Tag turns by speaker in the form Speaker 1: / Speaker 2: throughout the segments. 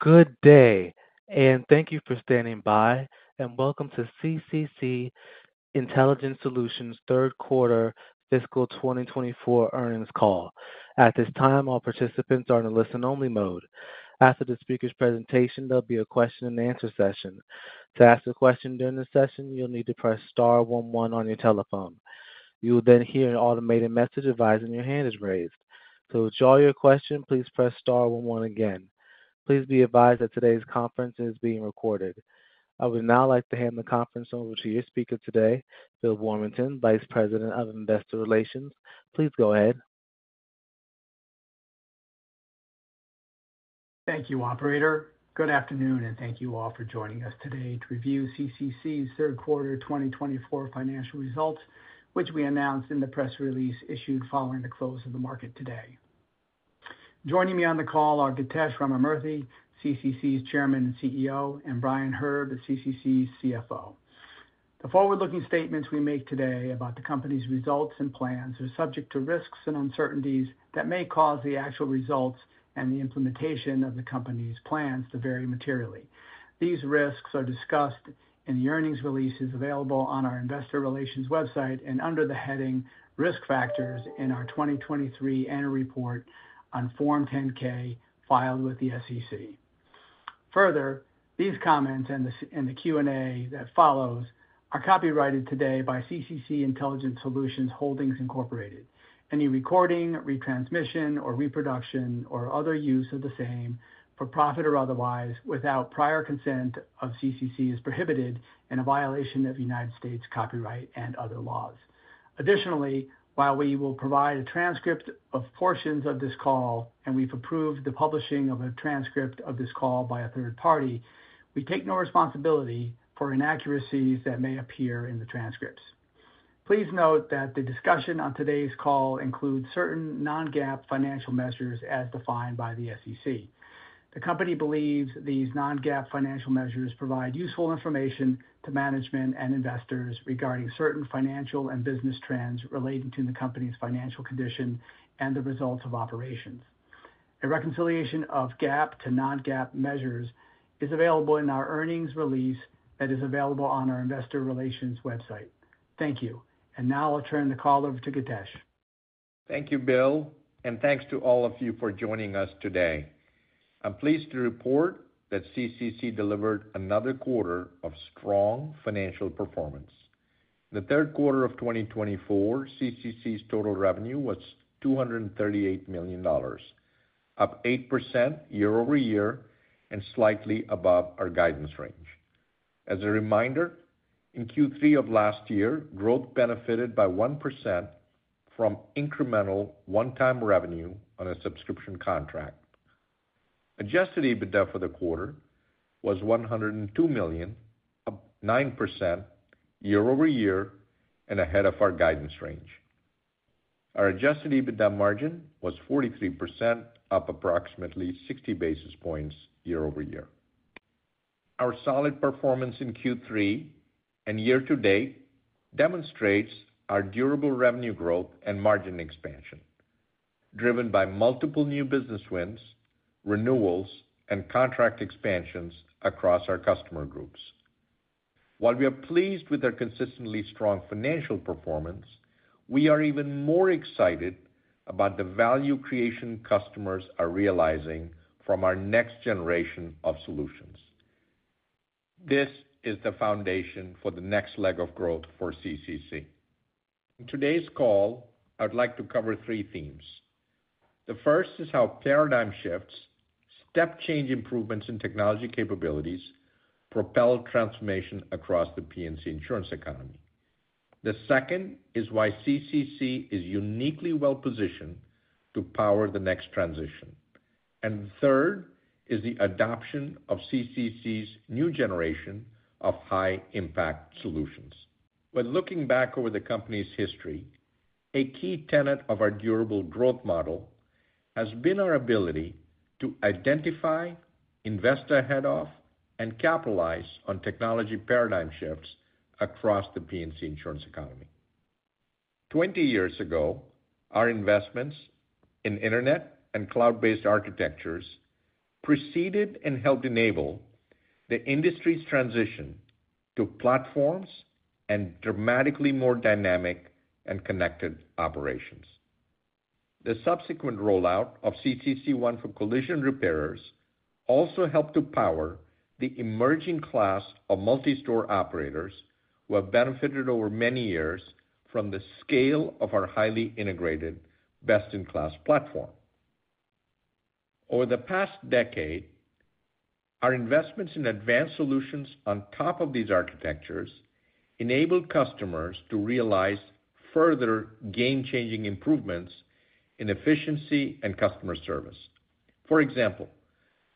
Speaker 1: Good day, and thank you for standing by, and welcome to CCC Intelligent Solutions' third quarter fiscal twenty twenty-four earnings call. At this time, all participants are in a listen-only mode. After the speaker's presentation, there'll be a question and answer session. To ask a question during the session, you'll need to press star one one on your telephone. You will then hear an automated message advising your hand is raised. To withdraw your question, please press star one one again. Please be advised that today's conference is being recorded. I would now like to hand the conference over to your speaker today, Bill Warmington, Vice President of Investor Relations. Please go ahead.
Speaker 2: Thank you, operator. Good afternoon, and thank you all for joining us today to review CCC's third quarter twenty twenty-four financial results, which we announced in the press release issued following the close of the market today. Joining me on the call are Githesh Ramamurthy, CCC's Chairman and CEO, and Brian Herb, CCC's CFO. The forward-looking statements we make today about the company's results and plans are subject to risks and uncertainties that may cause the actual results and the implementation of the company's plans to vary materially. These risks are discussed in the earnings releases available on our investor relations website and under the heading Risk Factors in our 2023 annual report on Form 10-K, filed with the SEC. Further, these comments and the Q&A that follows are copyrighted today by CCC Intelligent Solutions Holdings, Incorporated. Any recording, retransmission or reproduction or other use of the same, for profit or otherwise, without prior consent of CCC, is prohibited and a violation of United States copyright and other laws. Additionally, while we will provide a transcript of portions of this call, and we've approved the publishing of a transcript of this call by a third party, we take no responsibility for inaccuracies that may appear in the transcripts. Please note that the discussion on today's call includes certain non-GAAP financial measures as defined by the SEC. The company believes these non-GAAP financial measures provide useful information to management and investors regarding certain financial and business trends relating to the company's financial condition and the results of operations. A reconciliation of GAAP to non-GAAP measures is available in our earnings release that is available on our investor relations website. Thank you. Now I'll turn the call over to Githesh.
Speaker 3: Thank you, Bill, and thanks to all of you for joining us today. I'm pleased to report that CCC delivered another quarter of strong financial performance. The third quarter of 2024, CCC's total revenue was $238 million, up 8% year-over-year and slightly above our guidance range. As a reminder, in Q3 of last year, growth benefited by 1% from incremental one-time revenue on a subscription contract. Adjusted EBITDA for the quarter was $102 million, up 9% year-over-year and ahead of our guidance range. Our Adjusted EBITDA margin was 43%, up approximately 60 basis points year-over-year. Our solid performance in Q3 and year-to-date demonstrates our durable revenue growth and margin expansion, driven by multiple new business wins, renewals, and contract expansions across our customer groups. While we are pleased with our consistently strong financial performance, we are even more excited about the value creation customers are realizing from our next generation of solutions. This is the foundation for the next leg of growth for CCC. In today's call, I'd like to cover three themes. The first is how paradigm shifts, step change improvements in technology capabilities, propel transformation across the P&C insurance economy. The second is why CCC is uniquely well positioned to power the next transition, and the third is the adoption of CCC's new generation of high-impact solutions. When looking back over the company's history, a key tenet of our durable growth model has been our ability to identify, invest ahead of, and capitalize on technology paradigm shifts across the P&C insurance economy. Twenty years ago, our investments in internet and cloud-based architectures preceded and helped enable the industry's transition to platforms and dramatically more dynamic and connected operations. The subsequent rollout of CCC ONE for collision repairers also helped to power the emerging class of multi-store operators, who have benefited over many years from the scale of our highly integrated, best-in-class platform. Over the past decade, our investments in advanced solutions on top of these architectures enabled customers to realize further game-changing improvements in efficiency and customer service. For example,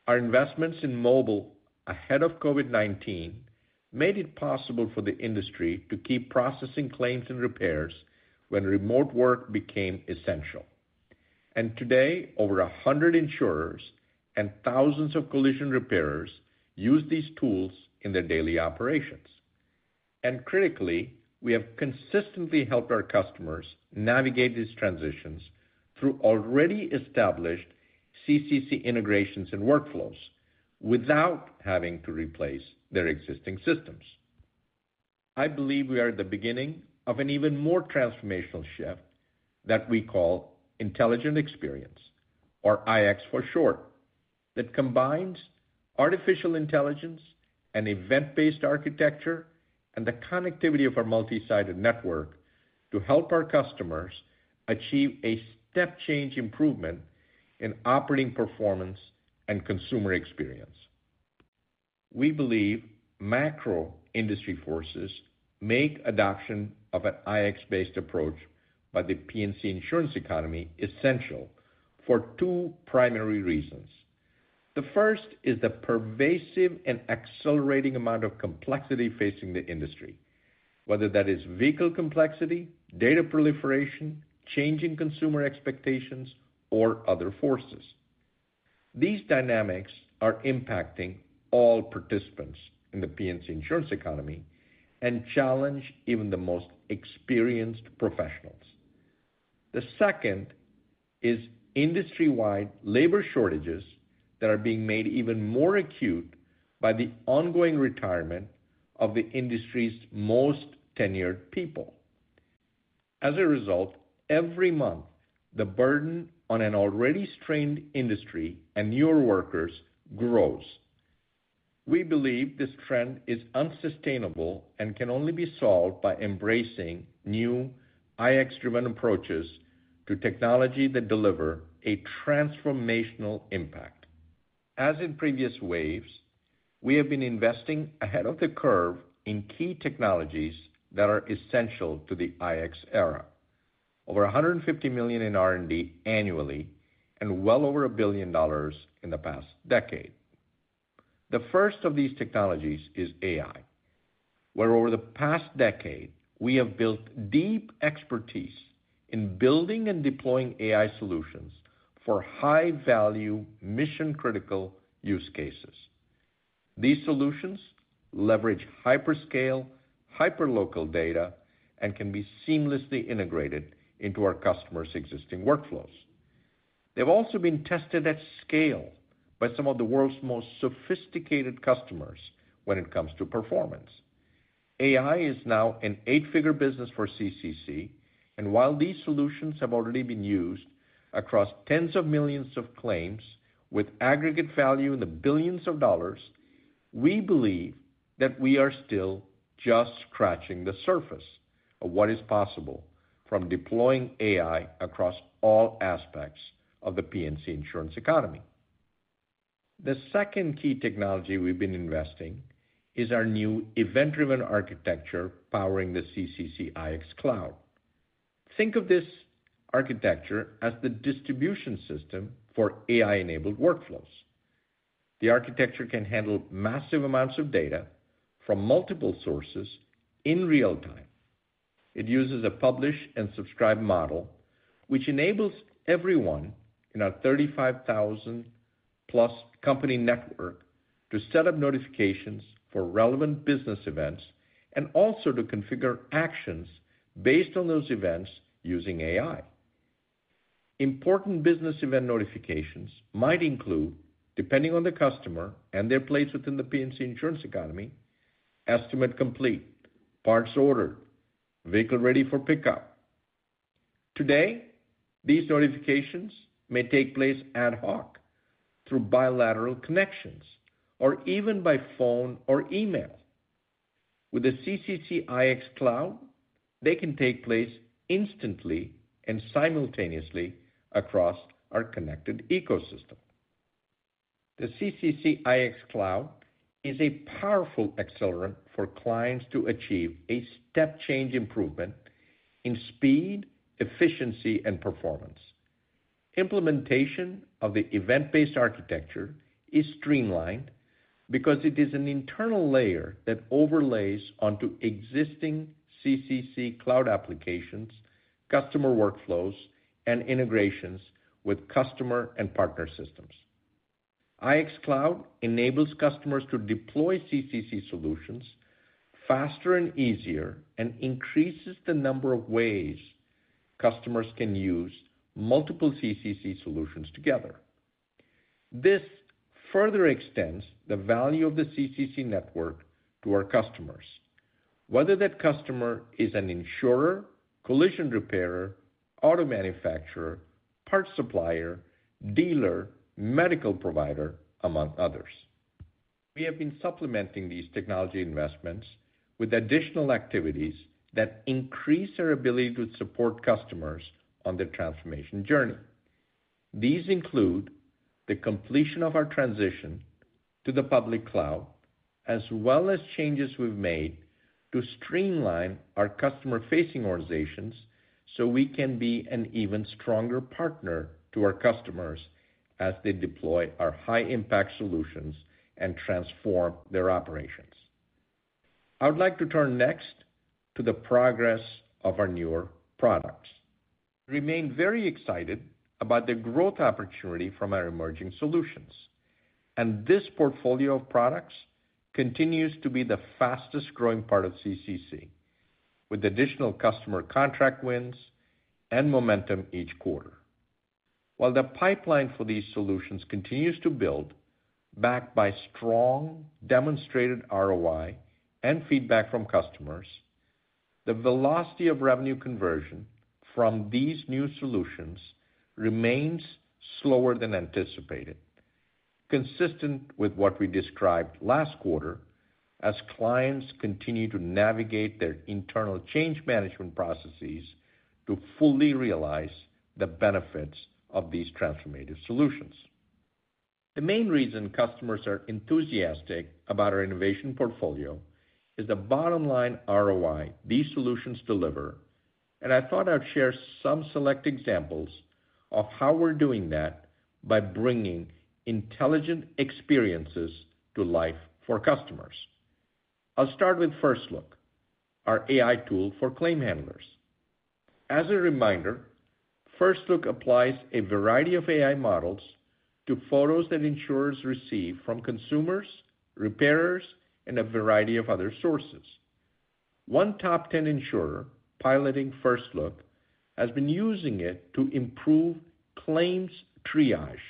Speaker 3: our investments in mobile ahead of COVID-19 made it possible for the industry to keep processing claims and repairs when remote work became essential, and today, over a hundred insurers and thousands of collision repairers use these tools in their daily operations... And critically, we have consistently helped our customers navigate these transitions through already established CCC integrations and workflows, without having to replace their existing systems. I believe we are at the beginning of an even more transformational shift that we call Intelligent Experience, or IX for short, that combines artificial intelligence and event-based architecture and the connectivity of our multi-sided network to help our customers achieve a step-change improvement in operating performance and consumer experience. We believe macro industry forces make adoption of an IX-based approach by the P&C insurance economy essential for two primary reasons. The first is the pervasive and accelerating amount of complexity facing the industry, whether that is vehicle complexity, data proliferation, changing consumer expectations, or other forces. These dynamics are impacting all participants in the P&C insurance economy and challenge even the most experienced professionals. The second is industry-wide labor shortages that are being made even more acute by the ongoing retirement of the industry's most tenured people. As a result, every month, the burden on an already strained industry and your workers grows. We believe this trend is unsustainable and can only be solved by embracing new IX-driven approaches to technology that deliver a transformational impact. As in previous waves, we have been investing ahead of the curve in key technologies that are essential to the IX era. Over $150 million in R&D annually and well over $1 billion in the past decade. The first of these technologies is AI, where over the past decade, we have built deep expertise in building and deploying AI solutions for high-value, mission-critical use cases. These solutions leverage hyperscale, hyperlocal data, and can be seamlessly integrated into our customers' existing workflows. They've also been tested at scale by some of the world's most sophisticated customers when it comes to performance. AI is now an eight-figure business for CCC, and while these solutions have already been used across tens of millions of claims with aggregate value in the billions of dollars, we believe that we are still just scratching the surface of what is possible from deploying AI across all aspects of the P&C insurance economy. The second key technology we've been investing is our new event-driven architecture powering the CCC IX Cloud. Think of this architecture as the distribution system for AI-enabled workflows. The architecture can handle massive amounts of data from multiple sources in real time. It uses a publish and subscribe model, which enables everyone in our thirty-five thousand-plus company network to set up notifications for relevant business events, and also to configure actions based on those events using AI. Important business event notifications might include, depending on the customer and their place within the P&C insurance economy, estimate complete, parts ordered, vehicle ready for pickup. Today, these notifications may take place ad hoc through bilateral connections or even by phone or email. With the CCC IX Cloud, they can take place instantly and simultaneously across our connected ecosystem. The CCC IX Cloud is a powerful accelerant for clients to achieve a step-change improvement in speed, efficiency, and performance. Implementation of the event-based architecture is streamlined because it is an internal layer that overlays onto existing CCC cloud applications, customer workflows, and integrations with customer and partner systems. IX Cloud enables customers to deploy CCC solutions faster and easier and increases the number of ways customers can use multiple CCC solutions together. This further extends the value of the CCC network to our customers, whether that customer is an insurer, collision repairer, auto manufacturer, parts supplier, dealer, medical provider, among others. We have been supplementing these technology investments with additional activities that increase our ability to support customers on their transformation journey. These include the completion of our transition to the public cloud, as well as changes we've made to streamline our customer-facing organizations, so we can be an even stronger partner to our customers as they deploy our high-impact solutions and transform their operations. I would like to turn next to the progress of our newer products. Remain very excited about the growth opportunity from our emerging solutions, and this portfolio of products continues to be the fastest growing part of CCC, with additional customer contract wins and momentum each quarter. While the pipeline for these solutions continues to build, backed by strong demonstrated ROI and feedback from customers, the velocity of revenue conversion from these new solutions remains slower than anticipated, consistent with what we described last quarter, as clients continue to navigate their internal change management processes to fully realize the benefits of these transformative solutions. The main reason customers are enthusiastic about our innovation portfolio is the bottom line ROI these solutions deliver, and I thought I'd share some select examples of how we're doing that by bringing intelligent experiences to life for customers. I'll start with First Look, our AI tool for claim handlers. As a reminder, First Look applies a variety of AI models to photos that insurers receive from consumers, repairers, and a variety of other sources. One top 10 insurer piloting First Look has been using it to improve claims triage,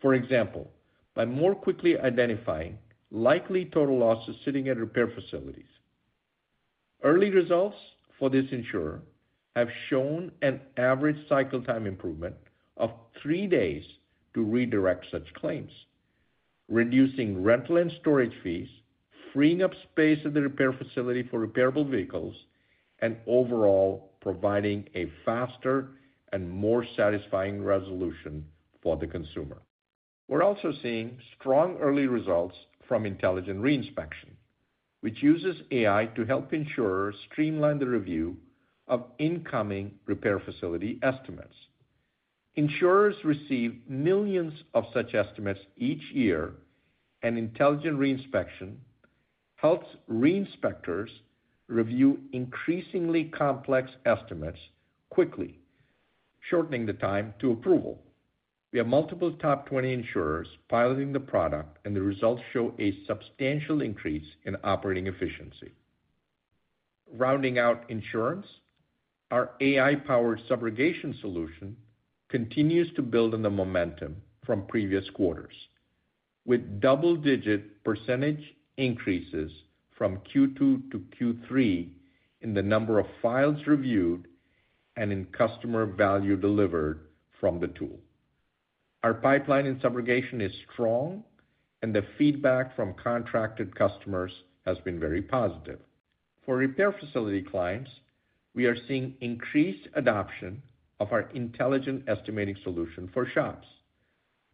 Speaker 3: for example, by more quickly identifying likely total losses sitting at repair facilities. Early results for this insurer have shown an average cycle time improvement of three days to redirect such claims, reducing rental and storage fees, freeing up space at the repair facility for repairable vehicles, and overall providing a faster and more satisfying resolution for the consumer. We're also seeing strong early results from Intelligent Reinspection, which uses AI to help insurers streamline the review of incoming repair facility estimates. Insurers receive millions of such estimates each year, and Intelligent Reinspection helps re-inspectors review increasingly complex estimates quickly, shortening the time to approval. We have multiple top 20 insurers piloting the product, and the results show a substantial increase in operating efficiency. Rounding out insurance, our AI-powered Subrogation solution continues to build on the momentum from previous quarters, with double-digit percentage increases from Q2 to Q3 in the number of files reviewed and in customer value delivered from the tool. Our pipeline in Subrogation is strong, and the feedback from contracted customers has been very positive. For repair facility clients, we are seeing increased adoption of our Intelligent Estimating solution for shops,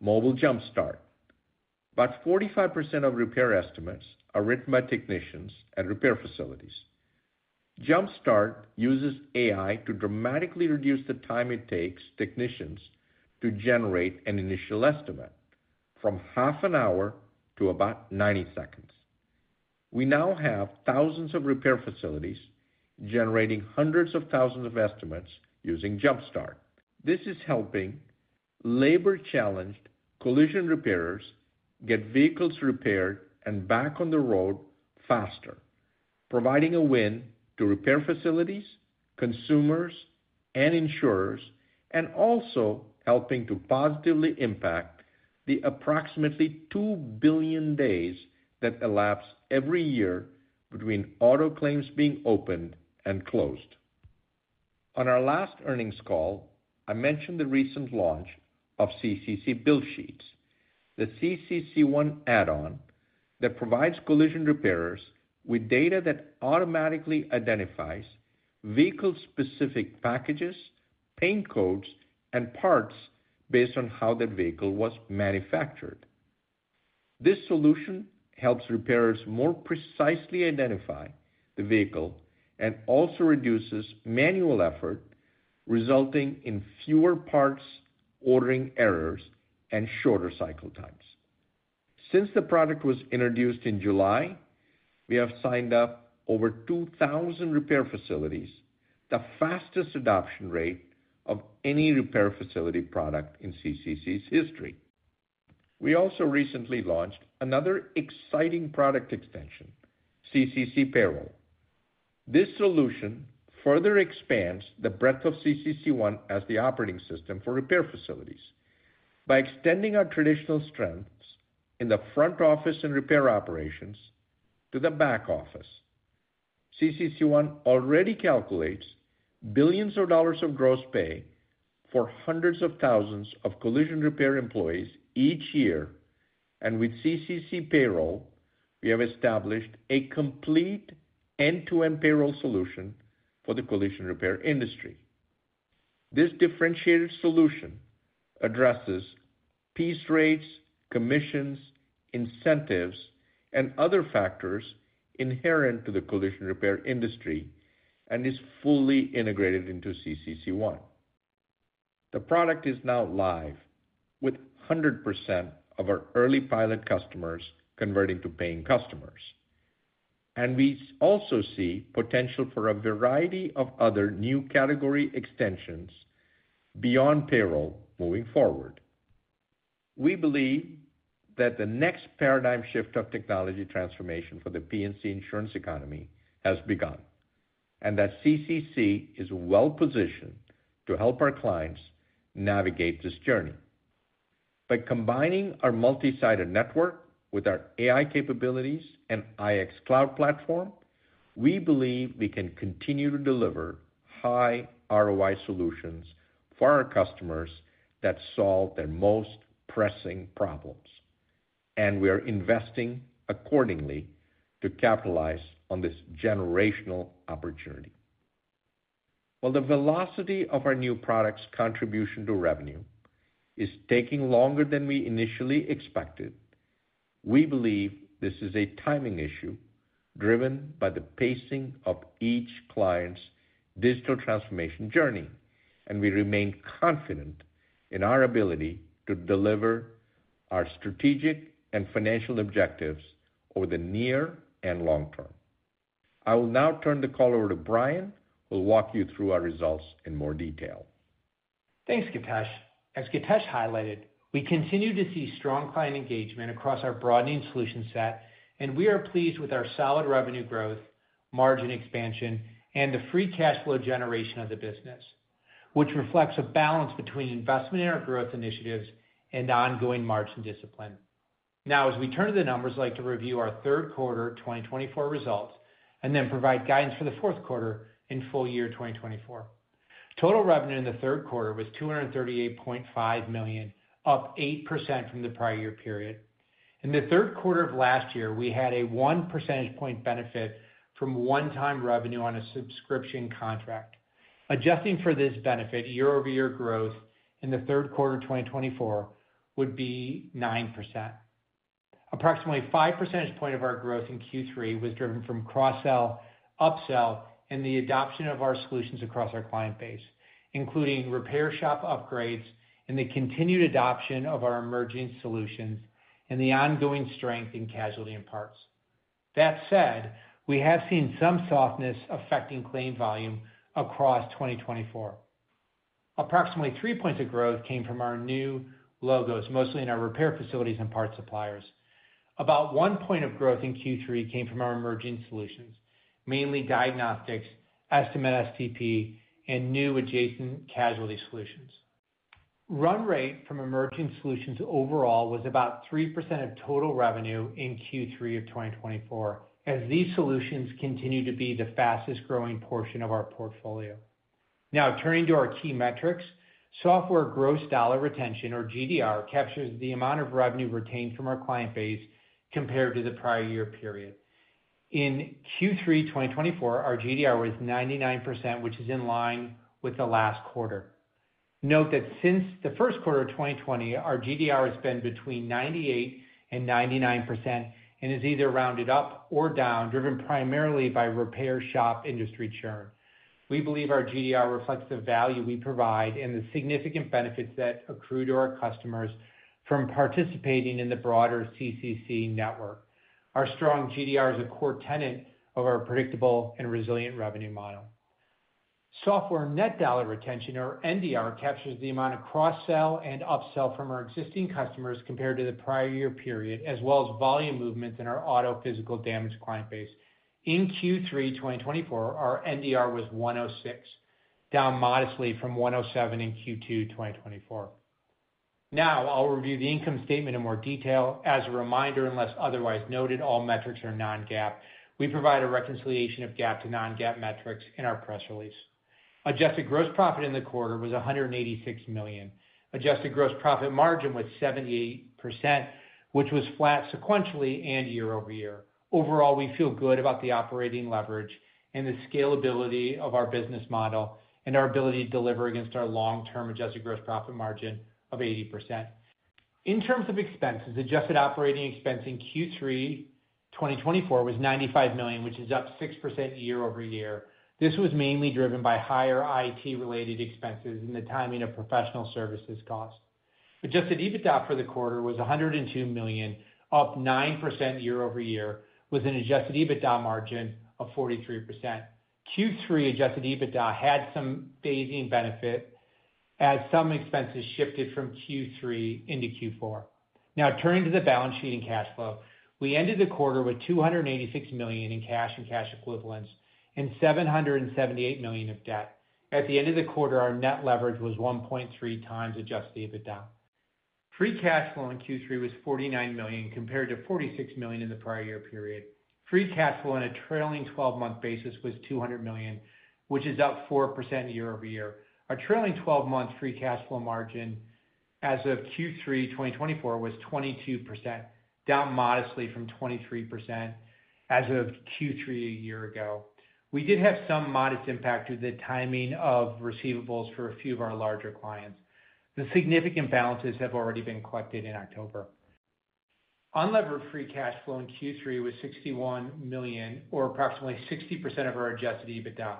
Speaker 3: Mobile Jumpstart. About 45% of repair estimates are written by technicians at repair facilities. Jumpstart uses AI to dramatically reduce the time it takes technicians to generate an initial estimate, from half an hour to about 90 seconds. We now have thousands of repair facilities generating hundreds of thousands of estimates using Jumpstart. This is helping labor-challenged collision repairers get vehicles repaired and back on the road faster, providing a win to repair facilities, consumers, and insurers, and also helping to positively impact the approximately two billion days that elapse every year between auto claims being opened and closed. On our last earnings call, I mentioned the recent launch of CCC Build Sheets, the CCC ONE add-on that provides collision repairers with data that automatically identifies vehicle-specific packages, paint codes, and parts based on how that vehicle was manufactured. This solution helps repairers more precisely identify the vehicle and also reduces manual effort, resulting in fewer parts, ordering errors, and shorter cycle times. Since the product was introduced in July, we have signed up over 2,000 repair facilities, the fastest adoption rate of any repair facility product in CCC's history. We also recently launched another exciting product extension, CCC Payroll. This solution further expands the breadth of CCC ONE as the operating system for repair facilities by extending our traditional strengths in the front office and repair operations to the back office. CCC ONE already calculates billions of dollars of gross pay for hundreds of thousands of collision repair employees each year, and with CCC Payroll, we have established a complete end-to-end payroll solution for the collision repair industry. This differentiated solution addresses piece rates, commissions, incentives, and other factors inherent to the collision repair industry and is fully integrated into CCC ONE. The product is now live with 100% of our early pilot customers converting to paying customers, and we also see potential for a variety of other new category extensions beyond payroll moving forward. We believe that the next paradigm shift of technology transformation for the P&C insurance economy has begun, and that CCC is well positioned to help our clients navigate this journey. By combining our multi-sided network with our AI capabilities and IX cloud platform, we believe we can continue to deliver high ROI solutions for our customers that solve their most pressing problems, and we are investing accordingly to capitalize on this generational opportunity. While the velocity of our new products' contribution to revenue is taking longer than we initially expected, we believe this is a timing issue driven by the pacing of each client's digital transformation journey, and we remain confident in our ability to deliver our strategic and financial objectives over the near and long term. I will now turn the call over to Brian, who will walk you through our results in more detail.
Speaker 4: Thanks, Githesh. As Githesh highlighted, we continue to see strong client engagement across our broadening solution set, and we are pleased with our solid revenue growth, margin expansion, and the free cash flow generation of the business, which reflects a balance between investment in our growth initiatives and ongoing margin discipline. Now, as we turn to the numbers, I'd like to review our third quarter 2024 results and then provide guidance for the fourth quarter in full year 2024. Total revenue in the third quarter was $238.5 million, up 8% from the prior year period. In the third quarter of last year, we had a one percentage point benefit from one-time revenue on a subscription contract. Adjusting for this benefit, year-over-year growth in the third quarter of 2024 would be 9%. Approximately five percentage point of our growth in Q3 was driven from cross-sell, upsell, and the adoption of our solutions across our client base, including repair shop upgrades and the continued adoption of our emerging solutions and the ongoing strength in casualty and parts. That said, we have seen some softness affecting claim volume across twenty twenty-four. Approximately three points of growth came from our new logos, mostly in our repair facilities and parts suppliers. About one point of growth in Q3 came from our emerging solutions, mainly diagnostics, Estimate STP, and new adjacent Casualty Solutions. Run rate from emerging solutions overall was about 3% of total revenue in Q3 of 2024, as these solutions continue to be the fastest growing portion of our portfolio. Now, turning to our key metrics. Software gross dollar retention, or GDR, captures the amount of revenue retained from our client base compared to the prior year period. In Q3 2024, our GDR was 99%, which is in line with the last quarter. Note that since the first quarter of 2020, our GDR has been between 98% and 99% and is either rounded up or down, driven primarily by repair shop industry churn. We believe our GDR reflects the value we provide and the significant benefits that accrue to our customers from participating in the broader CCC network. Our strong GDR is a core tenet of our predictable and resilient revenue model. Software net dollar retention, or NDR, captures the amount of cross-sell and upsell from our existing customers compared to the prior year period, as well as volume movements in our auto physical damage client base. In Q3 2024, our NDR was 106, down modestly from 107 in Q2 2024. Now I'll review the income statement in more detail. As a reminder, unless otherwise noted, all metrics are non-GAAP. We provide a reconciliation of GAAP to non-GAAP metrics in our press release. Adjusted gross profit in the quarter was $186 million. Adjusted gross profit margin was 78%, which was flat sequentially and year-over-year. Overall, we feel good about the operating leverage and the scalability of our business model and our ability to deliver against our long-term adjusted gross profit margin of 80%. In terms of expenses, adjusted operating expense in Q3 2024 was $95 million, which is up 6% year-over-year. This was mainly driven by higher IT-related expenses and the timing of professional services costs. Adjusted EBITDA for the quarter was $102 million, up 9% year-over-year, with an Adjusted EBITDA margin of 43%. Q3 Adjusted EBITDA had some phasing benefit as some expenses shifted from Q3 into Q4. Now, turning to the balance sheet and cash flow. We ended the quarter with $286 million in cash and cash equivalents and $778 million of debt. At the end of the quarter, our net leverage was 1.3x Adjusted EBITDA. Free cash flow in Q3 was $49 million, compared to $46 million in the prior year period. Free cash flow on a trailing 12-month basis was $200 million, which is up 4% year-over-year. Our trailing 12-month free cash flow margin as of Q3 2024 was 22%, down modestly from 23% as of Q3 a year ago. We did have some modest impact with the timing of receivables for a few of our larger clients. The significant balances have already been collected in October. Unlevered free cash flow in Q3 was $61 million, or approximately 60% of our Adjusted EBITDA.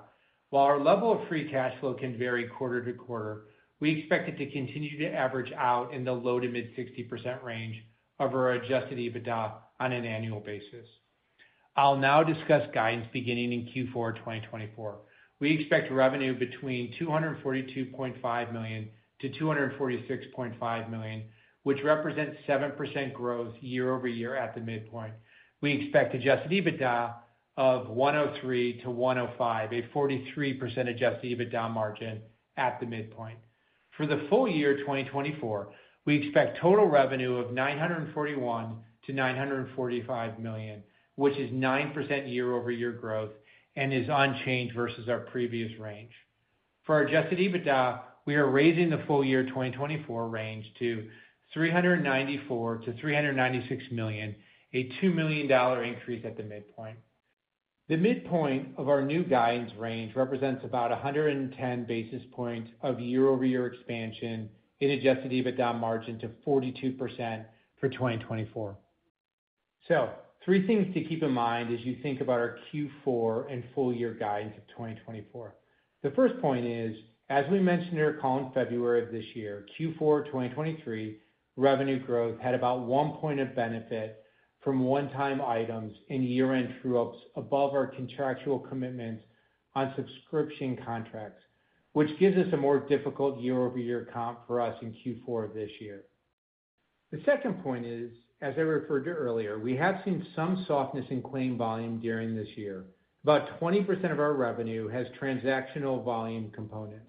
Speaker 4: While our level of free cash flow can vary quarter-to-quarter, we expect it to continue to average out in the low- to mid-60% range of our Adjusted EBITDA on an annual basis. I'll now discuss guidance beginning in Q4 2024. We expect revenue between $242.5 million-$246.5 million, which represents 7% growth year-over-year at the midpoint. We expect Adjusted EBITDA of $103 million-$105 million, a 43% Adjusted EBITDA margin at the midpoint. For the full year 2024, we expect total revenue of $941 million-$945 million, which is 9% year-over-year growth and is unchanged versus our previous range. For our Adjusted EBITDA, we are raising the full year 2024 range to $394 million-$396 million, a $2 million increase at the midpoint. The midpoint of our new guidance range represents about 110 basis points of year-over-year expansion in Adjusted EBITDA margin to 42% for 2024. So three things to keep in mind as you think about our Q4 and full year guidance of 2024. The first point is, as we mentioned in our call in February of this year, Q4 2023 revenue growth had about one point of benefit from one-time items and year-end true-ups above our contractual commitments on subscription contracts, which gives us a more difficult year-over-year comp for us in Q4 of this year. The second point is, as I referred to earlier, we have seen some softness in claim volume during this year. About 20% of our revenue has transactional volume components.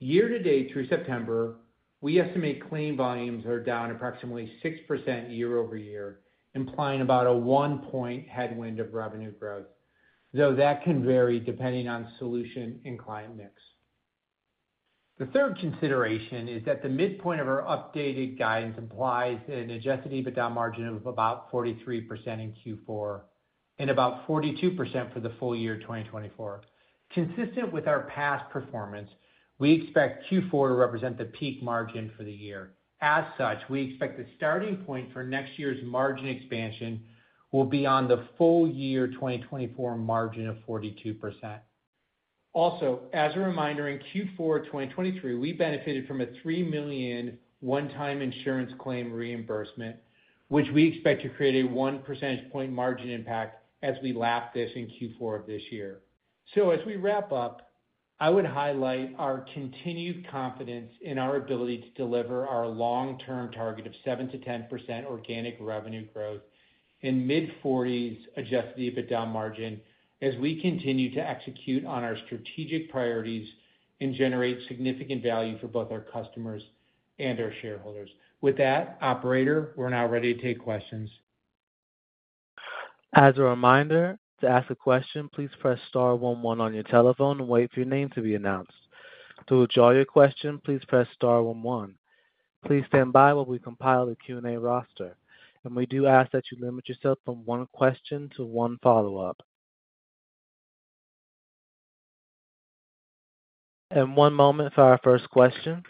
Speaker 4: Year-to-date through September, we estimate claim volumes are down approximately 6% year-over-year, implying about a one point headwind of revenue growth, though that can vary depending on solution and client mix. The third consideration is that the midpoint of our updated guidance implies an Adjusted EBITDA margin of about 43% in Q4 and about 42% for the full year 2024. Consistent with our past performance, we expect Q4 to represent the peak margin for the year. As such, we expect the starting point for next year's margin expansion will be on the full year 2024 margin of 42%. Also, as a reminder, in Q4 2023, we benefited from a $3 million one-time insurance claim reimbursement, which we expect to create a one percentage point margin impact as we lap this in Q4 of this year. So as we wrap up, I would highlight our continued confidence in our ability to deliver our long-term target of 7%-10% organic revenue growth and mid-forties Adjusted EBITDA margin as we continue to execute on our strategic priorities and generate significant value for both our customers and our shareholders. With that, operator, we're now ready to take questions.
Speaker 1: As a reminder, to ask a question, please press star one one on your telephone and wait for your name to be announced. To withdraw your question, please press star one one. Please stand by while we compile the Q&A roster, and we do ask that you limit yourself from one question to one follow-up, and one moment for our first question,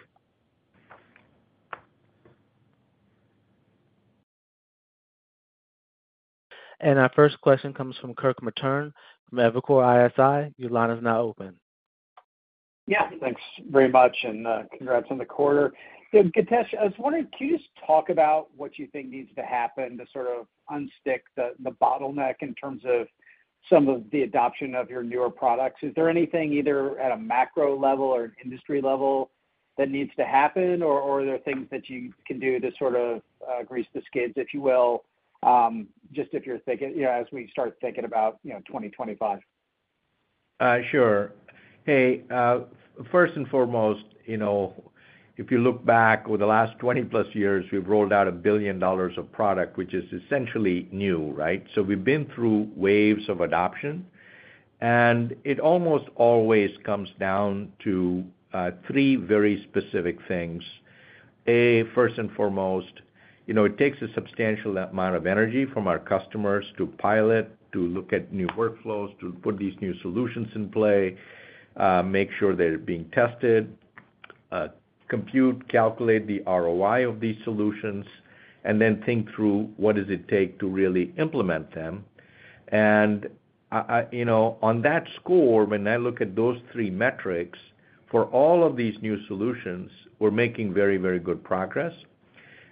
Speaker 1: and our first question comes from Kirk Materne from Evercore ISI. Your line is now open.
Speaker 5: Yeah, thanks very much, and congrats on the quarter. Good. Githesh, I was wondering, can you just talk about what you think needs to happen to sort of unstick the bottleneck in terms of some of the adoption of your newer products? Is there anything either at a macro level or industry level that needs to happen, or are there things that you can do to sort of grease the skids, if you will, just if you're thinking, you know, as we start thinking about 2025?
Speaker 3: Sure. Hey, first and foremost, you know, if you look back over the last 20+ years, we've rolled out $1 billion of product, which is essentially new, right? So we've been through waves of adoption, and it almost always comes down to three very specific things. A, first and foremost, you know, it takes a substantial amount of energy from our customers to pilot, to look at new workflows, to put these new solutions in play, make sure they're being tested, compute, calculate the ROI of these solutions, and then think through what does it take to really implement them. And, you know, on that score, when I look at those three metrics, for all of these new solutions, we're making very, very good progress.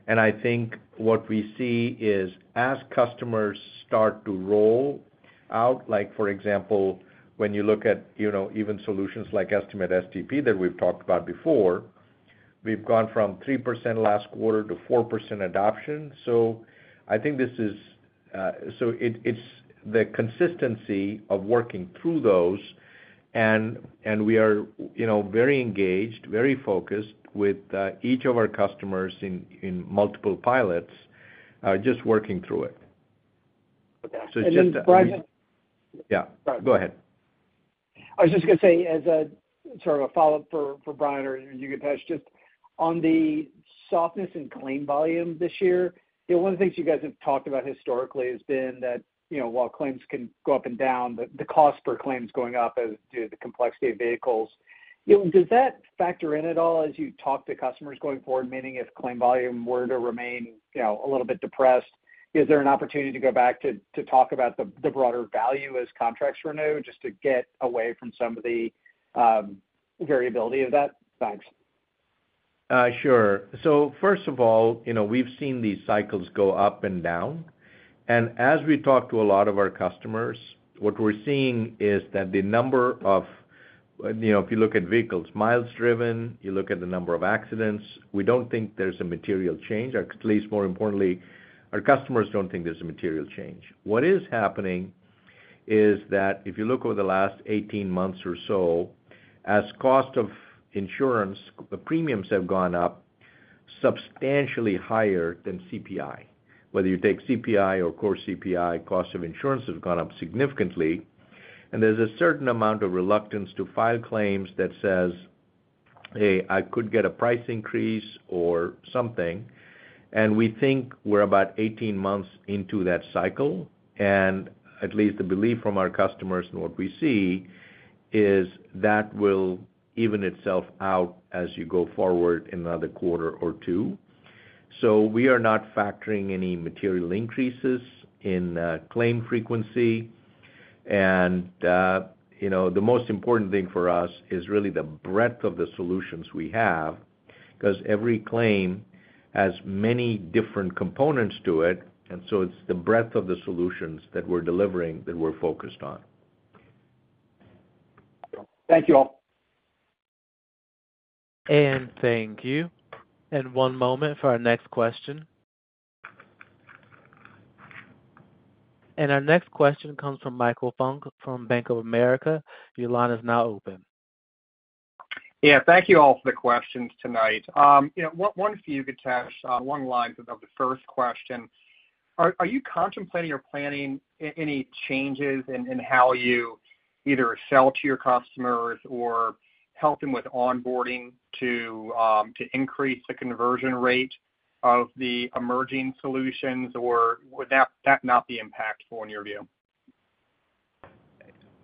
Speaker 3: And I think what we see is as customers start to roll out, like for example, when you look at, you know, even solutions like Estimate STP that we've talked about before, we've gone from 3% last quarter to 4% adoption. So I think this is. It's the consistency of working through those, and we are, you know, very engaged, very focused with each of our customers in multiple pilots, just working through it.
Speaker 5: Okay. So it's just- And then, Brian-
Speaker 3: Yeah, go ahead.
Speaker 5: I was just gonna say, as a sort of a follow-up for Brian or you, Githesh, just on the softness and claim volume this year, you know, one of the things you guys have talked about historically has been that, you know, while claims can go up and down, the cost per claim is going up as due to the complexity of vehicles. You know, does that factor in at all as you talk to customers going forward, meaning if claim volume were to remain, you know, a little bit depressed? Is there an opportunity to go back to talk about the broader value as contracts renew, just to get away from some of the variability of that? Thanks.
Speaker 3: Sure. So first of all, you know, we've seen these cycles go up and down. And as we talk to a lot of our customers, what we're seeing is that the number of, you know, if you look at vehicles, miles driven, you look at the number of accidents, we don't think there's a material change. At least, more importantly, our customers don't think there's a material change. What is happening is that if you look over the last 18 months or so, as cost of insurance, the premiums have gone up substantially higher than CPI. Whether you take CPI or core CPI, cost of insurance has gone up significantly, and there's a certain amount of reluctance to file claims that says, "Hey, I could get a price increase or something," and we think we're about 18 months into that cycle, and at least the belief from our customers and what we see, is that will even itself out as you go forward another quarter or two. So we are not factoring any material increases in claim frequency. And, you know, the most important thing for us is really the breadth of the solutions we have, 'cause every claim has many different components to it, and so it's the breadth of the solutions that we're delivering, that we're focused on.
Speaker 5: Thank you, all.
Speaker 1: Thank you. One moment for our next question. Our next question comes from Michael Funk from Bank of America. Your line is now open.
Speaker 6: Yeah, thank you all for the questions tonight. You know, one for you, Githesh, one line of the first question. Are you contemplating or planning any changes in how you either sell to your customers or help them with onboarding to increase the conversion rate of the emerging solutions, or would that not be impactful in your view?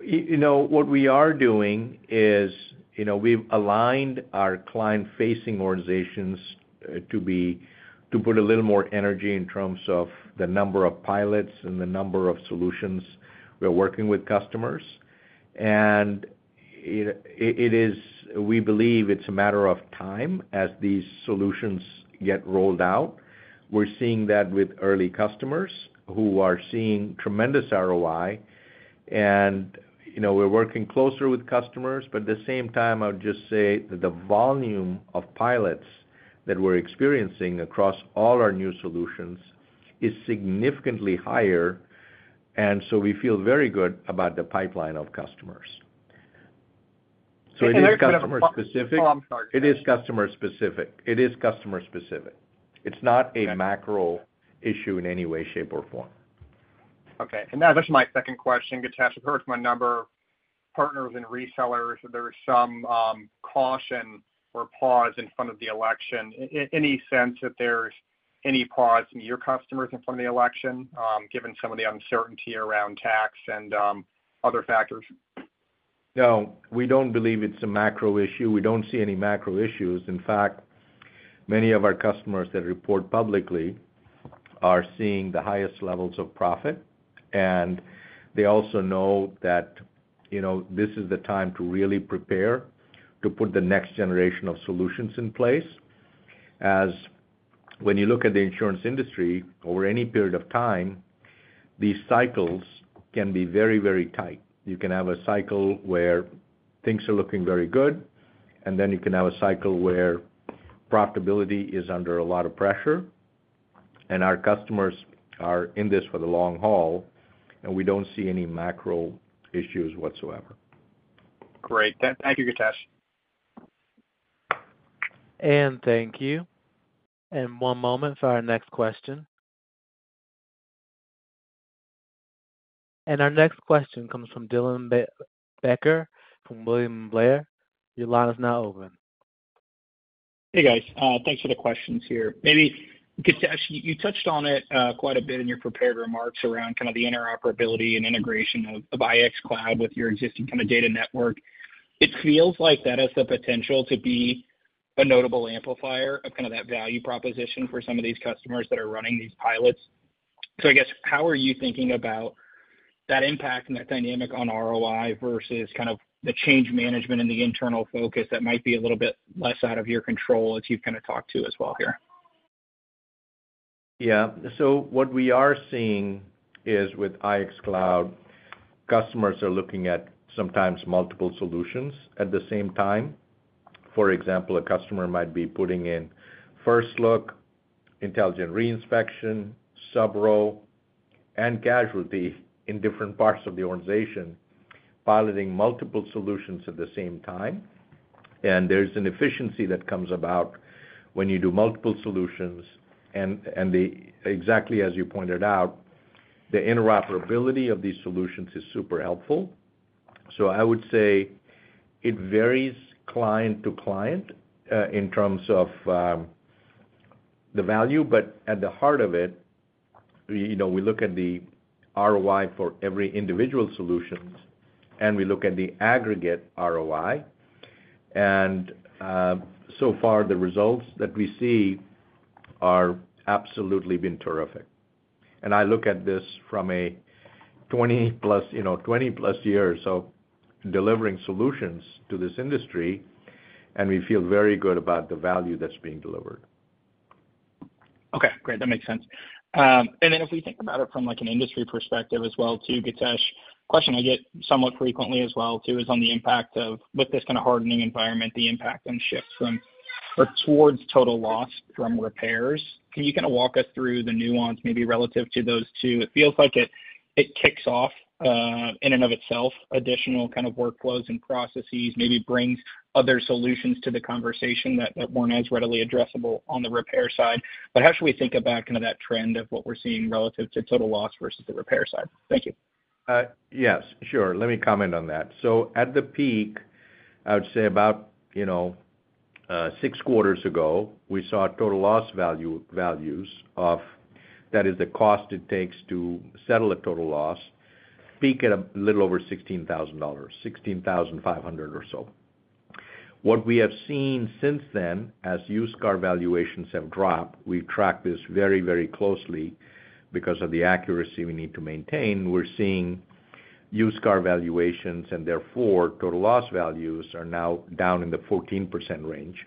Speaker 3: You know, what we are doing is, you know, we've aligned our client-facing organizations to put a little more energy in terms of the number of pilots and the number of solutions we're working with customers. And it is we believe it's a matter of time as these solutions get rolled out. We're seeing that with early customers who are seeing tremendous ROI, and, you know, we're working closer with customers. But at the same time, I would just say that the volume of pilots that we're experiencing across all our new solutions is significantly higher, and so we feel very good about the pipeline of customers. So it is customer specific.
Speaker 6: Oh, I'm sorry.
Speaker 3: It is customer specific. It is customer specific. It's not a macro issue in any way, shape, or form.
Speaker 6: Okay. Now this is my second question, Githesh. I've heard from a number of partners and resellers, there is some caution or pause in front of the election. Any sense that there's any pause from your customers in front of the election, given some of the uncertainty around tax and other factors?
Speaker 3: No, we don't believe it's a macro issue. We don't see any macro issues. In fact, many of our customers that report publicly are seeing the highest levels of profit, and they also know that, you know, this is the time to really prepare to put the next generation of solutions in place. As when you look at the insurance industry over any period of time, these cycles can be very, very tight. You can have a cycle where things are looking very good, and then you can have a cycle where profitability is under a lot of pressure, and our customers are in this for the long haul, and we don't see any macro issues whatsoever.
Speaker 6: Great. Thank you, Githesh.
Speaker 1: Thank you. One moment for our next question. Our next question comes from Dylan Becker from William Blair. Your line is now open.
Speaker 7: Hey, guys, thanks for the questions here. Maybe, Githesh, you touched on it quite a bit in your prepared remarks around kind of the interoperability and integration of the IX Cloud with your existing kind of data network. It feels like that has the potential to be a notable amplifier of kind of that value proposition for some of these customers that are running these pilots. So I guess, how are you thinking about that impact and that dynamic on ROI versus kind of the change management and the internal focus that might be a little bit less out of your control as you've kind of talked to as well here?
Speaker 3: Yeah. So what we are seeing is, with IX Cloud, customers are looking at sometimes multiple solutions at the same time. For example, a customer might be putting in First Look, Intelligent Reinspection, Subrogation, and Casualty in different parts of the organization, piloting multiple solutions at the same time. And there's an efficiency that comes about when you do multiple solutions, exactly as you pointed out, the interoperability of these solutions is super helpful. So I would say it varies client to client, in terms of, the value, but at the heart of it, you know, we look at the ROI for every individual solutions, and we look at the aggregate ROI. And, so far the results that we see are absolutely been terrific. I look at this from twenty plus, you know, twenty plus years of delivering solutions to this industry, and we feel very good about the value that's being delivered.
Speaker 7: Okay, great. That makes sense. Then if we think about it from, like, an industry perspective as well, too, Githesh, question I get somewhat frequently as well, too, is on the impact of, with this kind of hardening environment, the impact and shift from or towards total loss from repairs. Can you kind of walk us through the nuance, maybe relative to those two? It feels like it kicks off, in and of itself, additional kind of workflows and processes, maybe brings other solutions to the conversation that weren't as readily addressable on the repair side. But how should we think about kind of that trend of what we're seeing relative to total loss versus the repair side? Thank you.
Speaker 3: Yes, sure. Let me comment on that. So at the peak, I would say about, you know, six quarters ago, we saw total loss values, that is the cost it takes to settle a total loss, peak at a little over $16,000, $16,500 or so. What we have seen since then, as used car valuations have dropped, we've tracked this very, very closely because of the accuracy we need to maintain. We're seeing used car valuations and therefore total loss values are now down in the 14% range.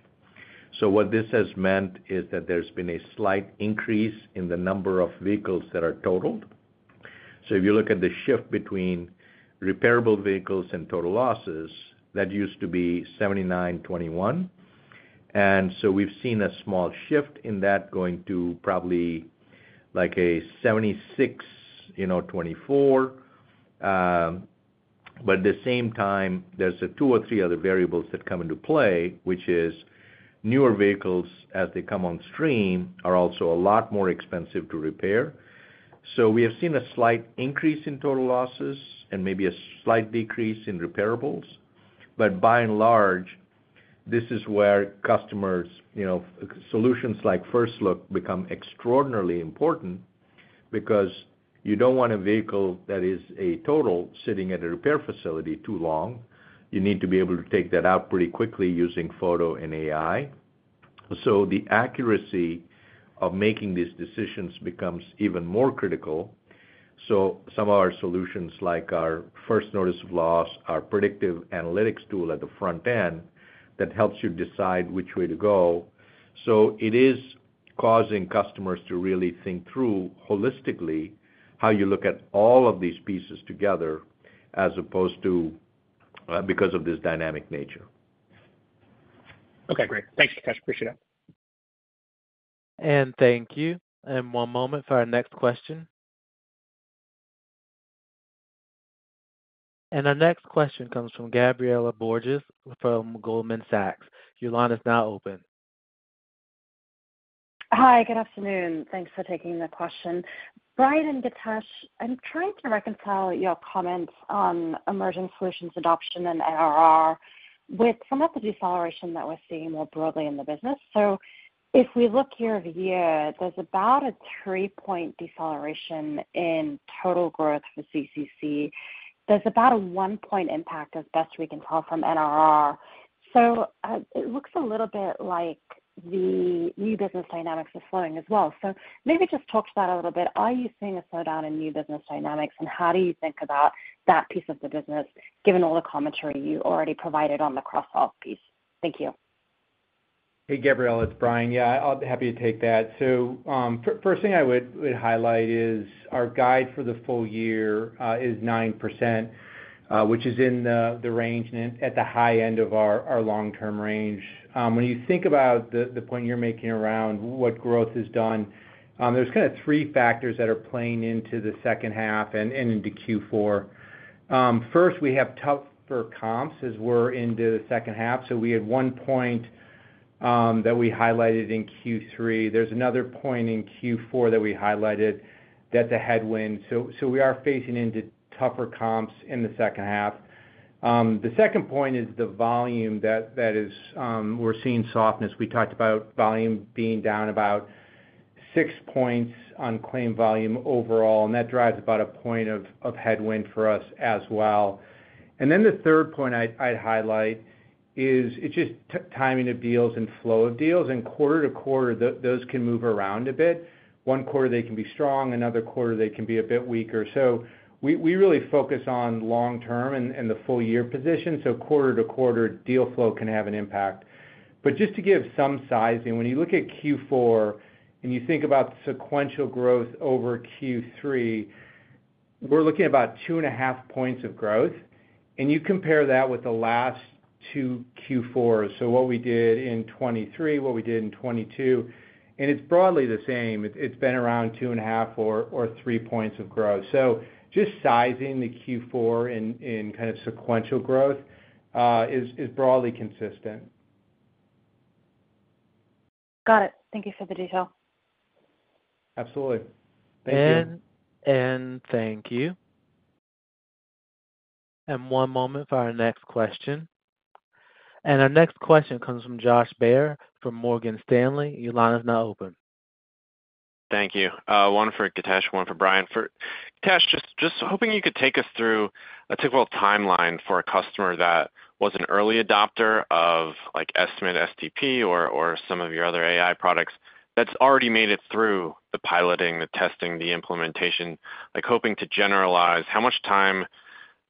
Speaker 3: So what this has meant is that there's been a slight increase in the number of vehicles that are totaled. So if you look at the shift between repairable vehicles and total losses, that used to be 79-21, and so we've seen a small shift in that going to probably like a 76, you know, 24. But at the same time, there's two or three other variables that come into play, which is newer vehicles, as they come on stream, are also a lot more expensive to repair. So we have seen a slight increase in total losses and maybe a slight decrease in repairables. But by and large, this is where customers, you know, solutions like First Look become extraordinarily important because you don't want a vehicle that is a total sitting at a repair facility too long. You need to be able to take that out pretty quickly using photo and AI. So the accuracy of making these decisions becomes even more critical. Some of our solutions, like our First Notice of Loss, our predictive analytics tool at the front end, that helps you decide which way to go. It is causing customers to really think through holistically, how you look at all of these pieces together, as opposed to, because of this dynamic nature.
Speaker 7: Okay, great. Thanks, Githesh. Appreciate it.
Speaker 1: Thank you. One moment for our next question. Our next question comes from Gabriela Borges, from Goldman Sachs. Your line is now open.
Speaker 8: Hi, good afternoon. Thanks for taking the question. Brian and Githesh, I'm trying to reconcile your comments on emerging solutions adoption and ARR with some of the deceleration that we're seeing more broadly in the business. So if we look year-over-year, there's about a three-point deceleration in total growth for CCC. There's about a one-point impact, as best we can tell, from NRR. So, it looks a little bit like the new business dynamics are slowing as well. So maybe just talk to that a little bit. Are you seeing a slowdown in new business dynamics? And how do you think about that piece of the business, given all the commentary you already provided on the cross-sell piece? Thank you.
Speaker 4: Hey, Gabriela, it's Brian. Yeah, I'll be happy to take that. First thing I would highlight is our guide for the full year is 9%, which is in the range and at the high end of our long-term range. When you think about the point you're making around what growth is done, there's kind of three factors that are playing into the second half and into Q4. First, we have tougher comps as we're into the second half. We had one point that we highlighted in Q3. There's another point in Q4 that we highlighted that's a headwind. We are facing into tougher comps in the second half. The second point is the volume that we're seeing softness. We talked about volume being down about six points on claim volume overall, and that drives about a point of headwind for us as well. And then the third point I'd highlight is it's just timing of deals and flow of deals, and quarter to quarter, those can move around a bit. One quarter, they can be strong, another quarter, they can be a bit weaker. So we really focus on long term and the full year position, so quarter to quarter deal flow can have an impact. But just to give some sizing, when you look at Q4 and you think about sequential growth over Q3, we're looking at about two and a half points of growth, and you compare that with the last two Q4s. So what we did in 2023, what we did in 2022, and it's broadly the same. It's been around two and a half or three points of growth. So just sizing the Q4 in kind of sequential growth is broadly consistent.
Speaker 8: Got it. Thank you for the detail.
Speaker 4: Absolutely. Thank you.
Speaker 1: Thank you. One moment for our next question. Our next question comes from Josh Baer from Morgan Stanley. Your line is now open.
Speaker 9: Thank you. One for Githesh, one for Brian. For Githesh, just hoping you could take us through a typical timeline for a customer that was an early adopter of, like, Estimate STP or some of your other AI products, that's already made it through the piloting, the testing, the implementation. Like, hoping to generalize, how much time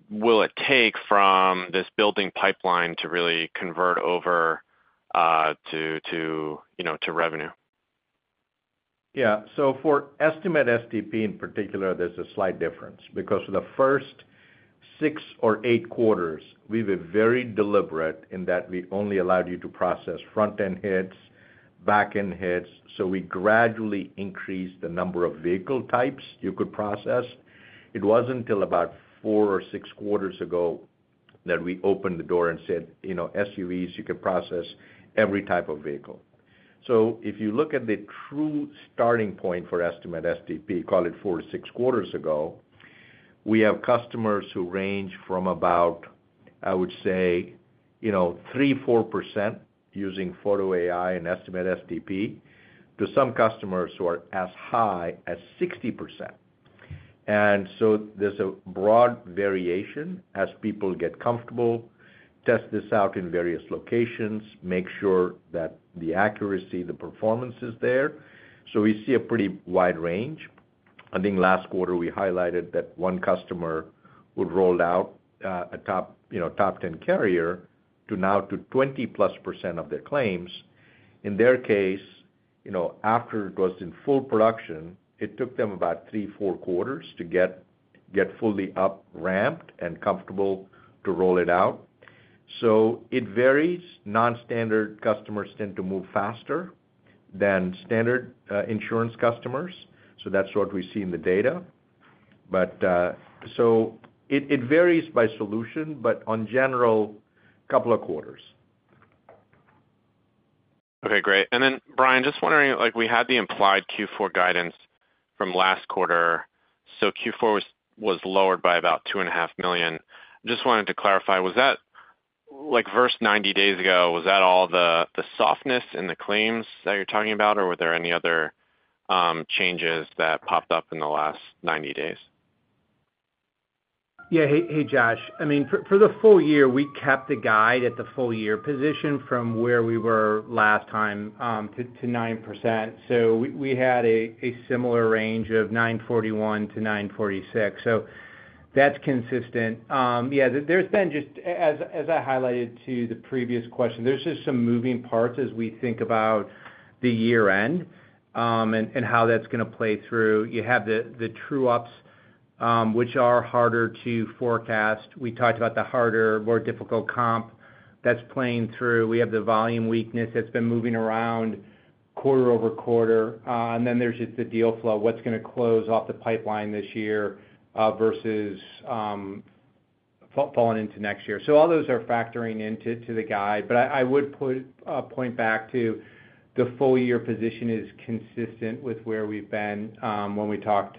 Speaker 9: will it take from this building pipeline to really convert over, you know, to revenue?
Speaker 3: Yeah. So for Estimate STP in particular, there's a slight difference, because for the first six or eight quarters, we were very deliberate in that we only allowed you to process front-end hits, back-end hits, so we gradually increased the number of vehicle types you could process. It wasn't until about four or six quarters ago that we opened the door and said, "You know, SUVs, you can process every type of vehicle." So if you look at the true starting point for Estimate STP, call it four to six quarters ago, we have customers who range from about, I would say, you know, 3%-4% using photo AI and Estimate STP, to some customers who are as high as 60%. There's a broad variation as people get comfortable, test this out in various locations, make sure that the accuracy, the performance is there. So we see a pretty wide range. I think last quarter, we highlighted that one customer who rolled out a top, you know, top 10 carrier to now 20%+ of their claims. In their case, you know, after it was in full production, it took them about three, four quarters to get fully up-ramped and comfortable to roll it out. So it varies. Non-standard customers tend to move faster than standard insurance customers, so that's what we see in the data. But so it varies by solution, but in general, couple of quarters.
Speaker 9: Okay, great. And then, Brian, just wondering, like, we had the implied Q4 guidance from last quarter, so Q4 was lowered by about $2.5 million. Just wanted to clarify, was that, like, first 90 days ago, was that all the softness in the claims that you're talking about, or were there any other changes that popped up in the last 90 days?
Speaker 4: Yeah. Hey, Josh. I mean, for the full year, we kept the guide at the full year position from where we were last time to 9%. So we had a similar range of 941-946. So that's consistent. Yeah, there's been just as I highlighted to the previous question, there's just some moving parts as we think about the year-end and how that's gonna play through. You have the true ups, which are harder to forecast. We talked about the harder, more difficult comp that's playing through. We have the volume weakness that's been moving around quarter-over-quarter. And then there's just the deal flow, what's gonna close off the pipeline this year versus falling into next year. All those are factoring into the guide, but I would put point back to the full year position is consistent with where we've been when we talked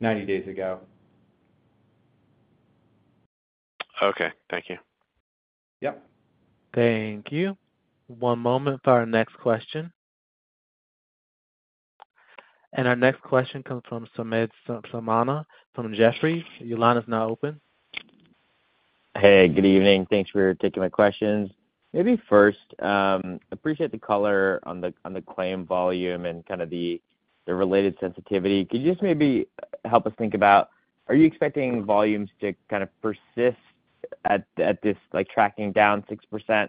Speaker 4: 90 days ago.
Speaker 9: Okay, thank you.
Speaker 4: Yep.
Speaker 1: Thank you. One moment for our next question, and our next question comes from Samad Samana from Jefferies. Your line is now open.
Speaker 10: Hey, good evening. Thanks for taking my questions. Maybe first, appreciate the color on the, on the claim volume and kind of the, the related sensitivity. Could you just maybe help us think about, are you expecting volumes to kind of persist at, at this, like, tracking down 6%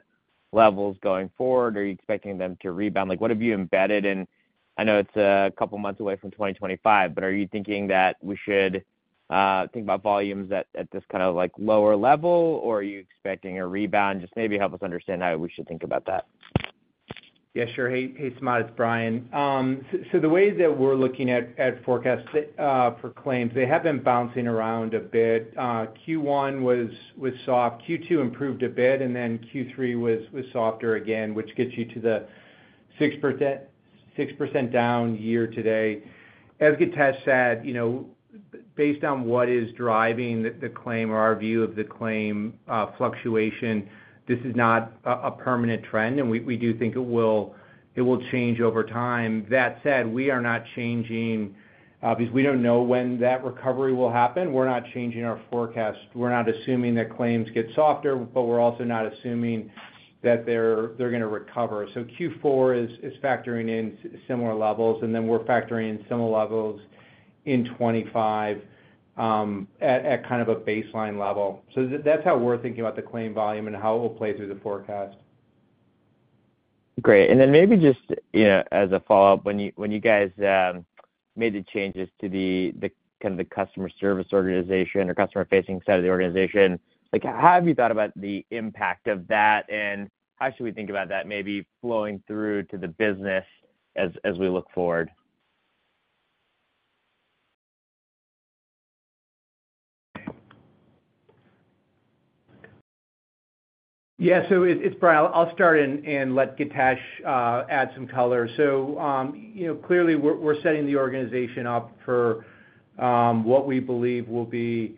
Speaker 10: levels going forward, or are you expecting them to rebound? Like, what have you embedded in? I know it's a couple of months away from 2025, but are you thinking that we should think about volumes at, at this kind of, like, lower level, or are you expecting a rebound? Just maybe help us understand how we should think about that.
Speaker 4: Yeah, sure. Hey, hey, Samad, it's Brian. So the way that we're looking at forecast for claims, they have been bouncing around a bit. Q1 was soft, Q2 improved a bit, and then Q3 was softer again, which gets you to the 6% down year-to-date. As Githesh said, you know, based on what is driving the claim or our view of the claim fluctuation, this is not a permanent trend, and we do think it will change over time. That said, we are not changing because we don't know when that recovery will happen. We're not changing our forecast. We're not assuming that claims get softer, but we're also not assuming that they're gonna recover. Q4 is factoring in similar levels, and then we're factoring in similar levels in 2025 at kind of a baseline level. That's how we're thinking about the claim volume and how it will play through the forecast.
Speaker 10: Great. And then maybe just, you know, as a follow-up, when you guys made the changes to the kind of customer service organization or customer-facing side of the organization, like, how have you thought about the impact of that, and how should we think about that maybe flowing through to the business as we look forward?
Speaker 4: Yeah, so it's Brian. I'll start and let Githesh add some color. So, you know, clearly, we're setting the organization up for what we believe will be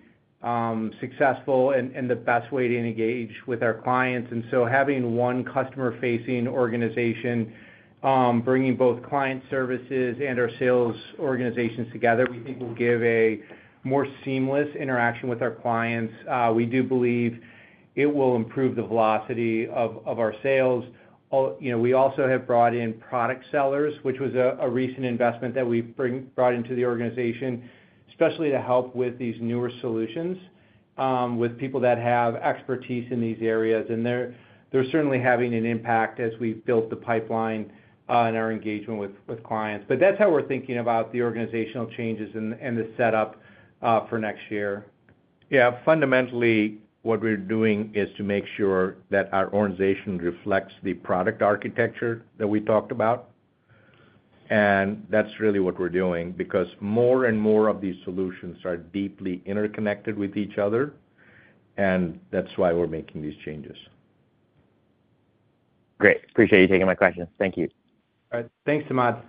Speaker 4: successful and the best way to engage with our clients. And so having one customer-facing organization, bringing both client services and our sales organizations together, we think will give a more seamless interaction with our clients. We do believe it will improve the velocity of our sales. You know, we also have brought in product sellers, which was a recent investment that we brought into the organization, especially to help with these newer solutions, with people that have expertise in these areas. And they're certainly having an impact as we've built the pipeline in our engagement with clients. But that's how we're thinking about the organizational changes and the setup for next year.
Speaker 3: Yeah, fundamentally, what we're doing is to make sure that our organization reflects the product architecture that we talked about. And that's really what we're doing, because more and more of these solutions are deeply interconnected with each other, and that's why we're making these changes.
Speaker 10: Great. Appreciate you taking my question. Thank you.
Speaker 4: All right. Thanks, Samad.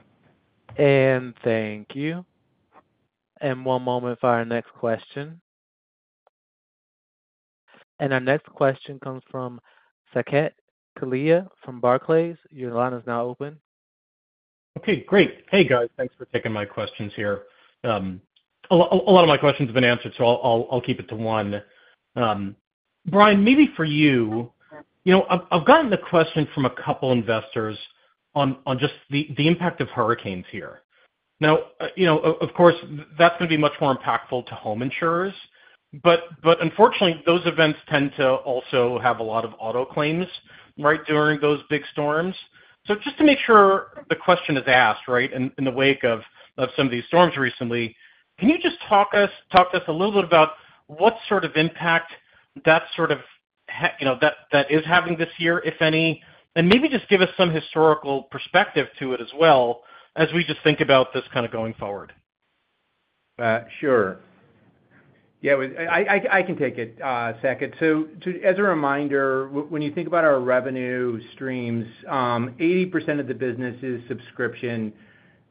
Speaker 1: Thank you. One moment for our next question. Our next question comes from Saket Kalia from Barclays. Your line is now open.
Speaker 11: Okay, great. Hey, guys, thanks for taking my questions here. A lot of my questions have been answered, so I'll keep it to one. Brian, maybe for you, you know, I've gotten the question from a couple investors on just the impact of hurricanes here. Now, of course, that's going to be much more impactful to home insurers, but unfortunately, those events tend to also have a lot of auto claims, right, during those big storms. So just to make sure the question is asked, right, in the wake of some of these storms recently, can you just talk to us a little bit about what sort of impact that sort of you know, that is having this year, if any? And maybe just give us some historical perspective to it, as well as we just think about this kind of going forward.
Speaker 4: Sure. Yeah, well, I can take it, Saket. So as a reminder, when you think about our revenue streams, 80% of the business is subscription,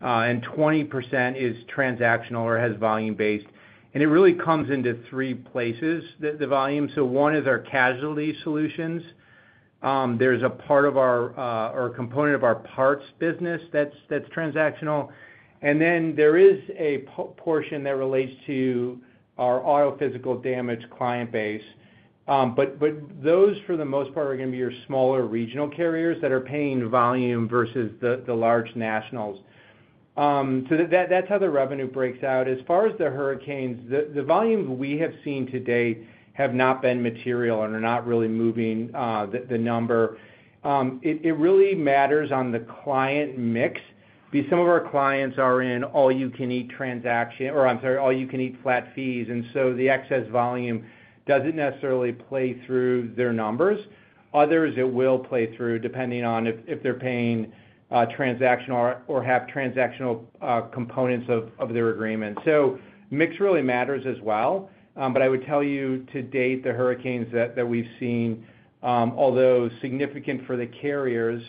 Speaker 4: and 20% is transactional or has volume-based. And it really comes into three places, the volume. So one is our Casualty Solutions. There's a part of our, or a component of our parts business that's transactional. And then there is a portion that relates to our auto physical damage client base. But those, for the most part, are going to be your smaller regional carriers that are paying volume versus the large nationals. So that, that's how the revenue breaks out. As far as the hurricanes, the volumes we have seen to date have not been material and are not really moving the number. It really matters on the client mix, because some of our clients are in all-you-can-eat transaction - or I'm sorry, all-you-can-eat flat fees, and so the excess volume doesn't necessarily play through their numbers. Others, it will play through, depending on if they're paying transactional or have transactional components of their agreement. So mix really matters as well. But I would tell you, to date, the hurricanes that we've seen, although significant for the carriers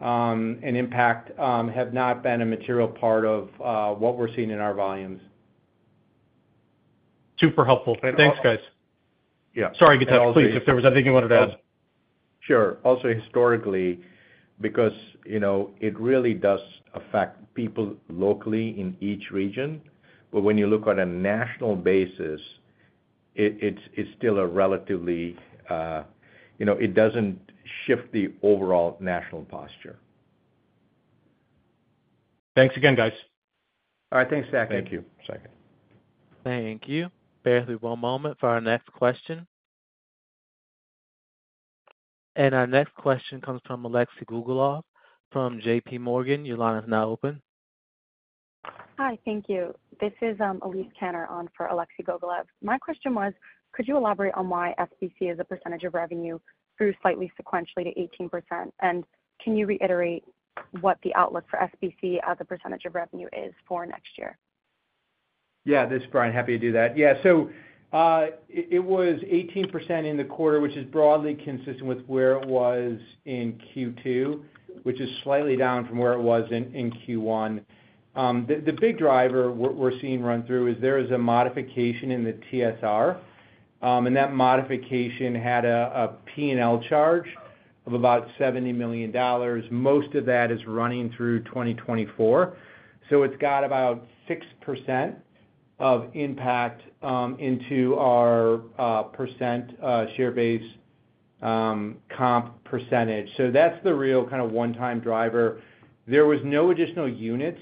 Speaker 4: and impact, have not been a material part of what we're seeing in our volumes.
Speaker 11: Super helpful. And also- Thanks, guys.
Speaker 3: Yeah. Sorry, Githesh, please, if there was anything you wanted to add. Sure. Also, historically, because, you know, it really does affect people locally in each region. But when you look on a national basis, it, it's still a relatively, you know, it doesn't shift the overall national posture.
Speaker 11: Thanks again, guys.
Speaker 4: All right. Thanks, Saket.
Speaker 3: Thank you, Saket.
Speaker 1: Thank you. Bear with me one moment for our next question. And our next question comes from Alexei Gogolev from J.P. Morgan. Your line is now open.
Speaker 12: Hi, thank you. This is Elise Tanner on for Alexei Gogolev. My question was, could you elaborate on why SBC as a percentage of revenue grew slightly sequentially to 18%? And can you reiterate what the outlook for SBC as a percentage of revenue is for next year?
Speaker 4: Yeah, this is Brian. Happy to do that. Yeah, so it was 18% in the quarter, which is broadly consistent with where it was in Q2, which is slightly down from where it was in Q1. The big driver we're seeing run through is there is a modification in the TSR, and that modification had a P&L charge of about $70 million. Most of that is running through 2024. So it's got about 6% of impact into our percent share-based comp percentage. So that's the real kind of one-time driver. There was no additional units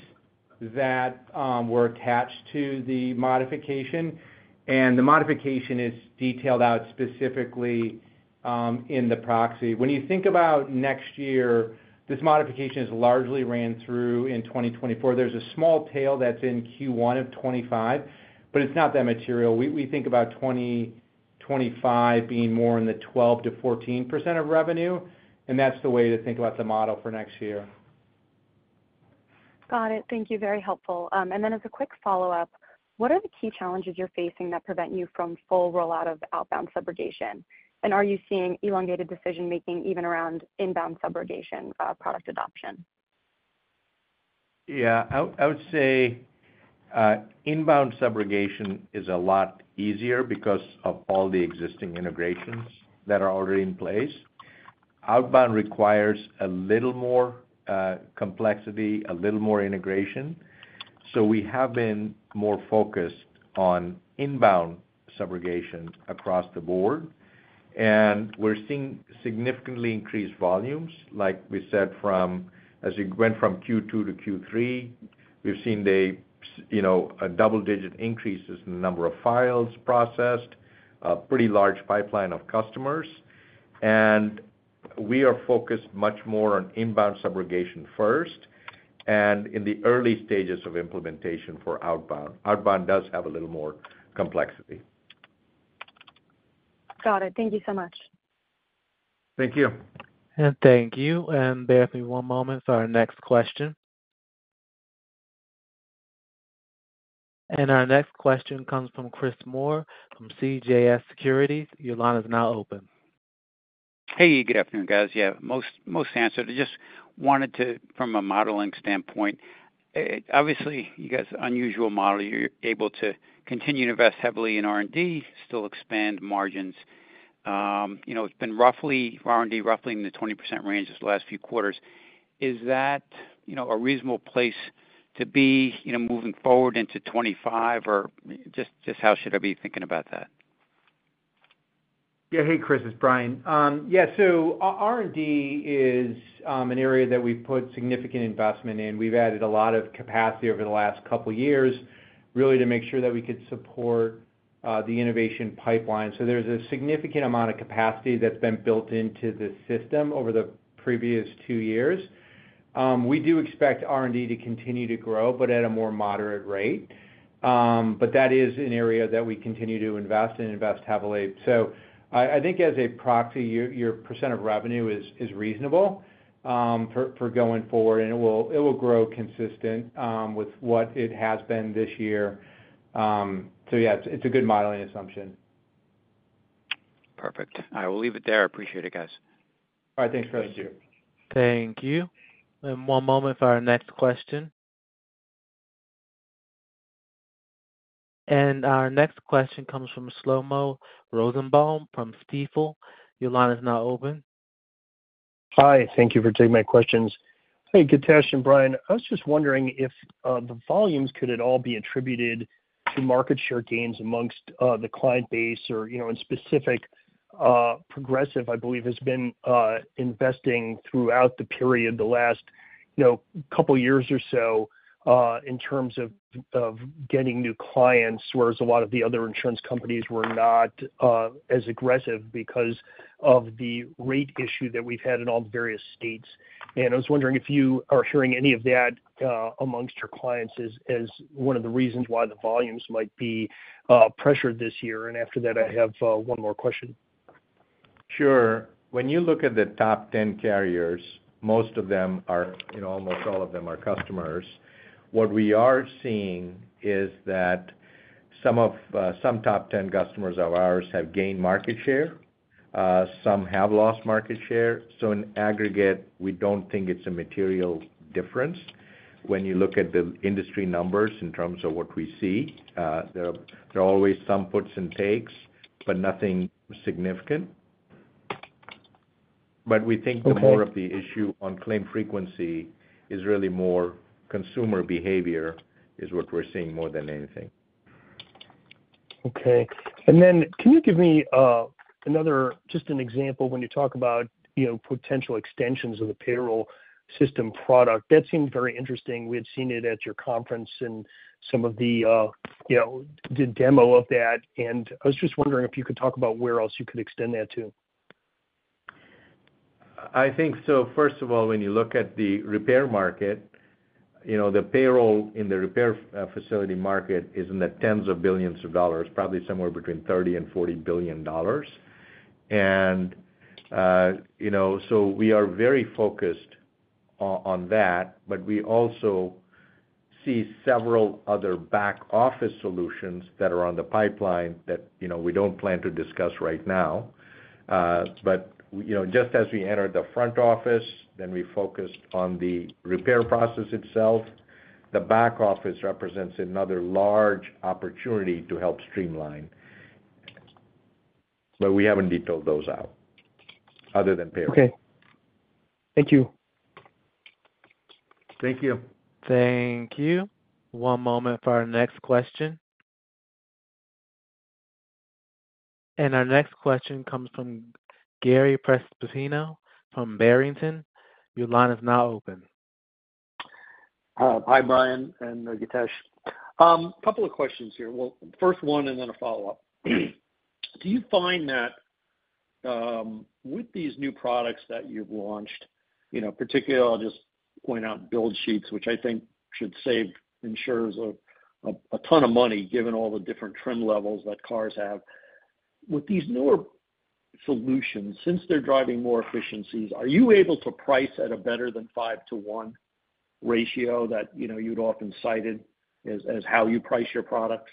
Speaker 4: that were attached to the modification, and the modification is detailed out specifically in the proxy. When you think about next year, this modification is largely ran through in 2024. There's a small tail that's in Q1 of 2025, but it's not that material. We think about 2025 being more in the 12%-14% of revenue, and that's the way to think about the model for next year.
Speaker 12: Got it. Thank you. Very helpful, and then as a quick follow-up, what are the key challenges you're facing that prevent you from full rollout of outbound Subrogation? And are you seeing elongated decision-making even around inbound Subrogation, product adoption?
Speaker 3: Yeah, I would say inbound Subrogation is a lot easier because of all the existing integrations that are already in place. Outbound requires a little more complexity, a little more integration. So we have been more focused on inbound Subrogation across the board, and we're seeing significantly increased volumes, like we said, from as you went from Q2 to Q3, we've seen the, you know, a double-digit increases in the number of files processed, a pretty large pipeline of customers. And we are focused much more on inbound Subrogation first, and in the early stages of implementation for outbound. Outbound does have a little more complexity.
Speaker 12: Got it. Thank you so much.
Speaker 3: Thank you.
Speaker 1: Thank you. Bear with me one moment for our next question. Our next question comes from Chris Moore from CJS Securities. Your line is now open.
Speaker 13: Hey, good afternoon, guys. Yeah, most answered. I just wanted to, from a modeling standpoint, obviously, you guys unusual model. You're able to continue to invest heavily in R&D, still expand margins. You know, it's been roughly R&D roughly in the 20% range these last few quarters. Is that, you know, a reasonable place to be, you know, moving forward into 2025, or just how should I be thinking about that?
Speaker 4: Yeah. Hey, Chris, it's Brian. Yeah, so R&D is an area that we've put significant investment in. We've added a lot of capacity over the last couple of years, really, to make sure that we could support the innovation pipeline. So there's a significant amount of capacity that's been built into the system over the previous two years. We do expect R&D to continue to grow, but at a more moderate rate. But that is an area that we continue to invest and invest heavily. So I think as a proxy, your percent of revenue is reasonable for going forward, and it will grow consistent with what it has been this year. So yeah, it's a good modeling assumption.
Speaker 13: Perfect. I will leave it there. Appreciate it, guys.
Speaker 4: All right. Thanks, Chris.
Speaker 3: Thank you.
Speaker 1: Thank you. And one moment for our next question. And our next question comes from Shlomo Rosenbaum from Stifel. Your line is now open.
Speaker 14: Hi, thank you for taking my questions. Hey, Githesh and Brian, I was just wondering if the volumes could at all be attributed to market share gains among the client base or, you know, in specific, Progressive, I believe, has been investing throughout the period, the last couple of years or so, in terms of getting new clients, whereas a lot of the other insurance companies were not as aggressive because of the rate issue that we've had in all the various states. And I was wondering if you are hearing any of that among your clients as one of the reasons why the volumes might be pressured this year. And after that, I have one more question.
Speaker 3: Sure. When you look at the top ten carriers, most of them are, you know, almost all of them are customers. What we are seeing is that some top 10 customers of ours have gained market share, some have lost market share. So in aggregate, we don't think it's a material difference. When you look at the industry numbers in terms of what we see, there are always some puts and takes, but nothing significant.
Speaker 14: Okay.
Speaker 3: But we think the more of the issue on claim frequency is really more consumer behavior, is what we're seeing more than anything.
Speaker 14: Okay. And then can you give me another, just an example, when you talk about, you know, potential extensions of the payroll system product? That seemed very interesting. We had seen it at your conference and some of the, you know, the demo of that, and I was just wondering if you could talk about where else you could extend that to.
Speaker 3: I think so. First of all, when you look at the repair market, you know, the payroll in the repair facility market is in the tens of billions of dollars, probably somewhere between $30 billion and $40 billion. And, you know, so we are very focused on that, but we also see several other back-office solutions that are on the pipeline that, you know, we don't plan to discuss right now. But, you know, just as we entered the front office, then we focused on the repair process itself. The back office represents another large opportunity to help streamline, but we haven't detailed those out other than payroll.
Speaker 14: Okay. Thank you.
Speaker 3: Thank you.
Speaker 1: Thank you. One moment for our next question, and our next question comes from Gary Prestopino from Barrington. Your line is now open.
Speaker 15: Hi, Brian and, Githesh. A couple of questions here. First one, and then a follow-up. Do you find that, with these new products that you've launched, you know, particularly, I'll just point out Build Sheets, which I think should save insurers a ton of money, given all the different trim levels that cars have. With these newer solutions, since they're driving more efficiencies, are you able to price at a better than 5:1 ratio that, you know, you'd often cited as how you price your products?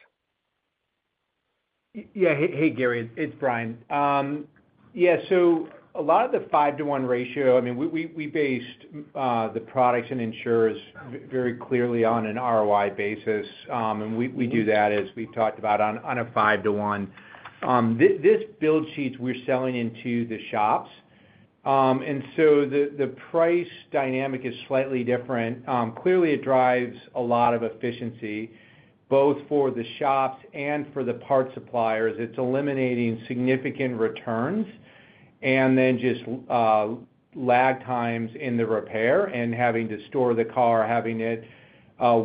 Speaker 4: Yeah. Hey, Gary, it's Brian. Yeah, so a lot of the five-to-one ratio, I mean, we based the products and insurers very clearly on an ROI basis. And we do that as we've talked about on a 5:1. This Build Sheets we're selling into the shops. And so the price dynamic is slightly different. Clearly, it drives a lot of efficiency, both for the shops and for the parts suppliers. It's eliminating significant returns and then just lag times in the repair and having to store the car, having it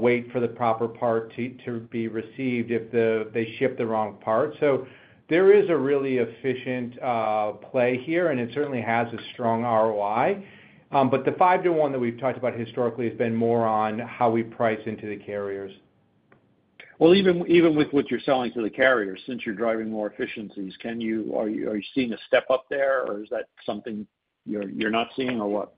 Speaker 4: wait for the proper part to be received if they ship the wrong part. So there is a really efficient play here, and it certainly has a strong ROI. But the five-to-one that we've talked about historically has been more on how we price into the carriers.
Speaker 15: Even with what you're selling to the carriers, since you're driving more efficiencies, are you seeing a step up there, or is that something you're not seeing, or what?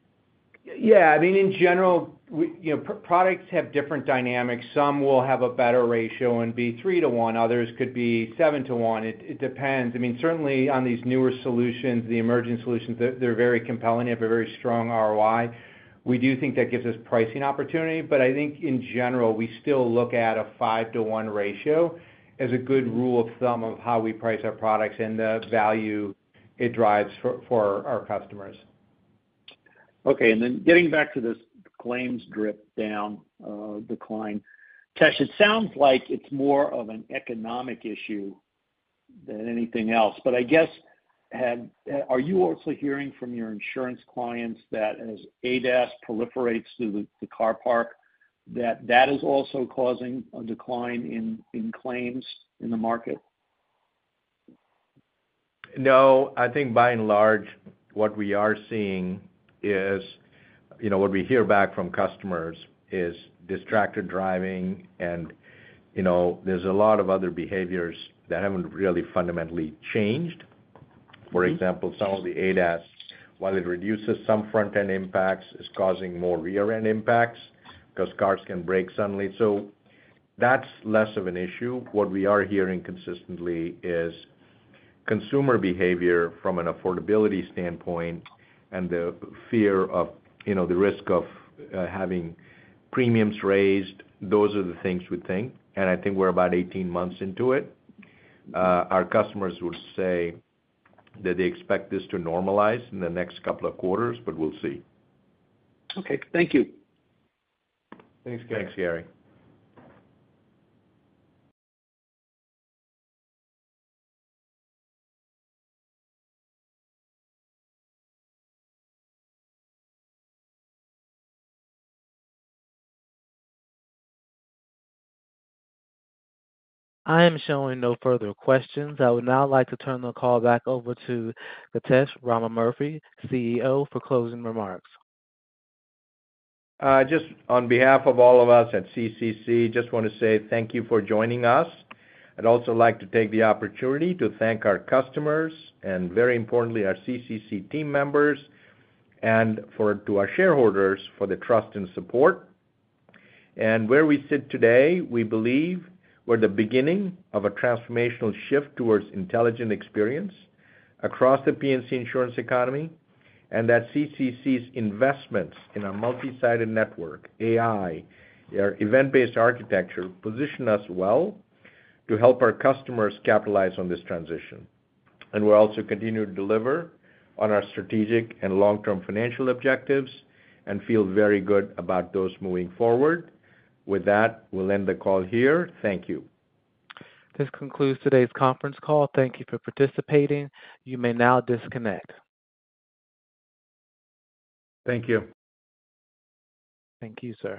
Speaker 4: Yeah, I mean, in general, we, you know, products have different dynamics. Some will have a better ratio and be three-to-one, others could be 7:1. It depends. I mean, certainly on these newer solutions, the emerging solutions, they're very compelling. They have a very strong ROI. We do think that gives us pricing opportunity, but I think in general, we still look at a five-to-one ratio as a good rule of thumb of how we price our products and the value it drives for our customers.
Speaker 15: Okay, and then getting back to this claims drift down, decline. Githesh, it sounds like it's more of an economic issue than anything else, but I guess, are you also hearing from your insurance clients that as ADAS proliferates through the car parc, that that is also causing a decline in claims in the market?
Speaker 3: No, I think by and large, what we are seeing is, you know, what we hear back from customers is distracted driving and, you know, there's a lot of other behaviors that haven't really fundamentally changed. For example, some of the ADAS, while it reduces some front-end impacts, is causing more rear-end impacts because cars can brake suddenly. So that's less of an issue. What we are hearing consistently is consumer behavior from an affordability standpoint and the fear of, you know, the risk of having premiums raised. Those are the things we think, and I think we're about 18 months into it. Our customers will say that they expect this to normalize in the next couple of quarters, but we'll see.
Speaker 15: Okay. Thank you.
Speaker 3: Thanks, Gary.
Speaker 4: Thanks, Gary.
Speaker 1: I am showing no further questions. I would now like to turn the call back over to Githesh Ramamurthy, CEO, for closing remarks.
Speaker 3: Just on behalf of all of us at CCC, just want to say thank you for joining us. I'd also like to take the opportunity to thank our customers and, very importantly, our CCC team members and to our shareholders for the trust and support. Where we sit today, we believe we're the beginning of a transformational shift towards intelligent experience across the P&C insurance economy, and that CCC's investments in our multi-sided network, AI, our event-based architecture, position us well to help our customers capitalize on this transition. We'll also continue to deliver on our strategic and long-term financial objectives and feel very good about those moving forward. With that, we'll end the call here. Thank you.
Speaker 1: This concludes today's conference call. Thank you for participating. You may now disconnect.
Speaker 3: Thank you.
Speaker 1: Thank you, sir.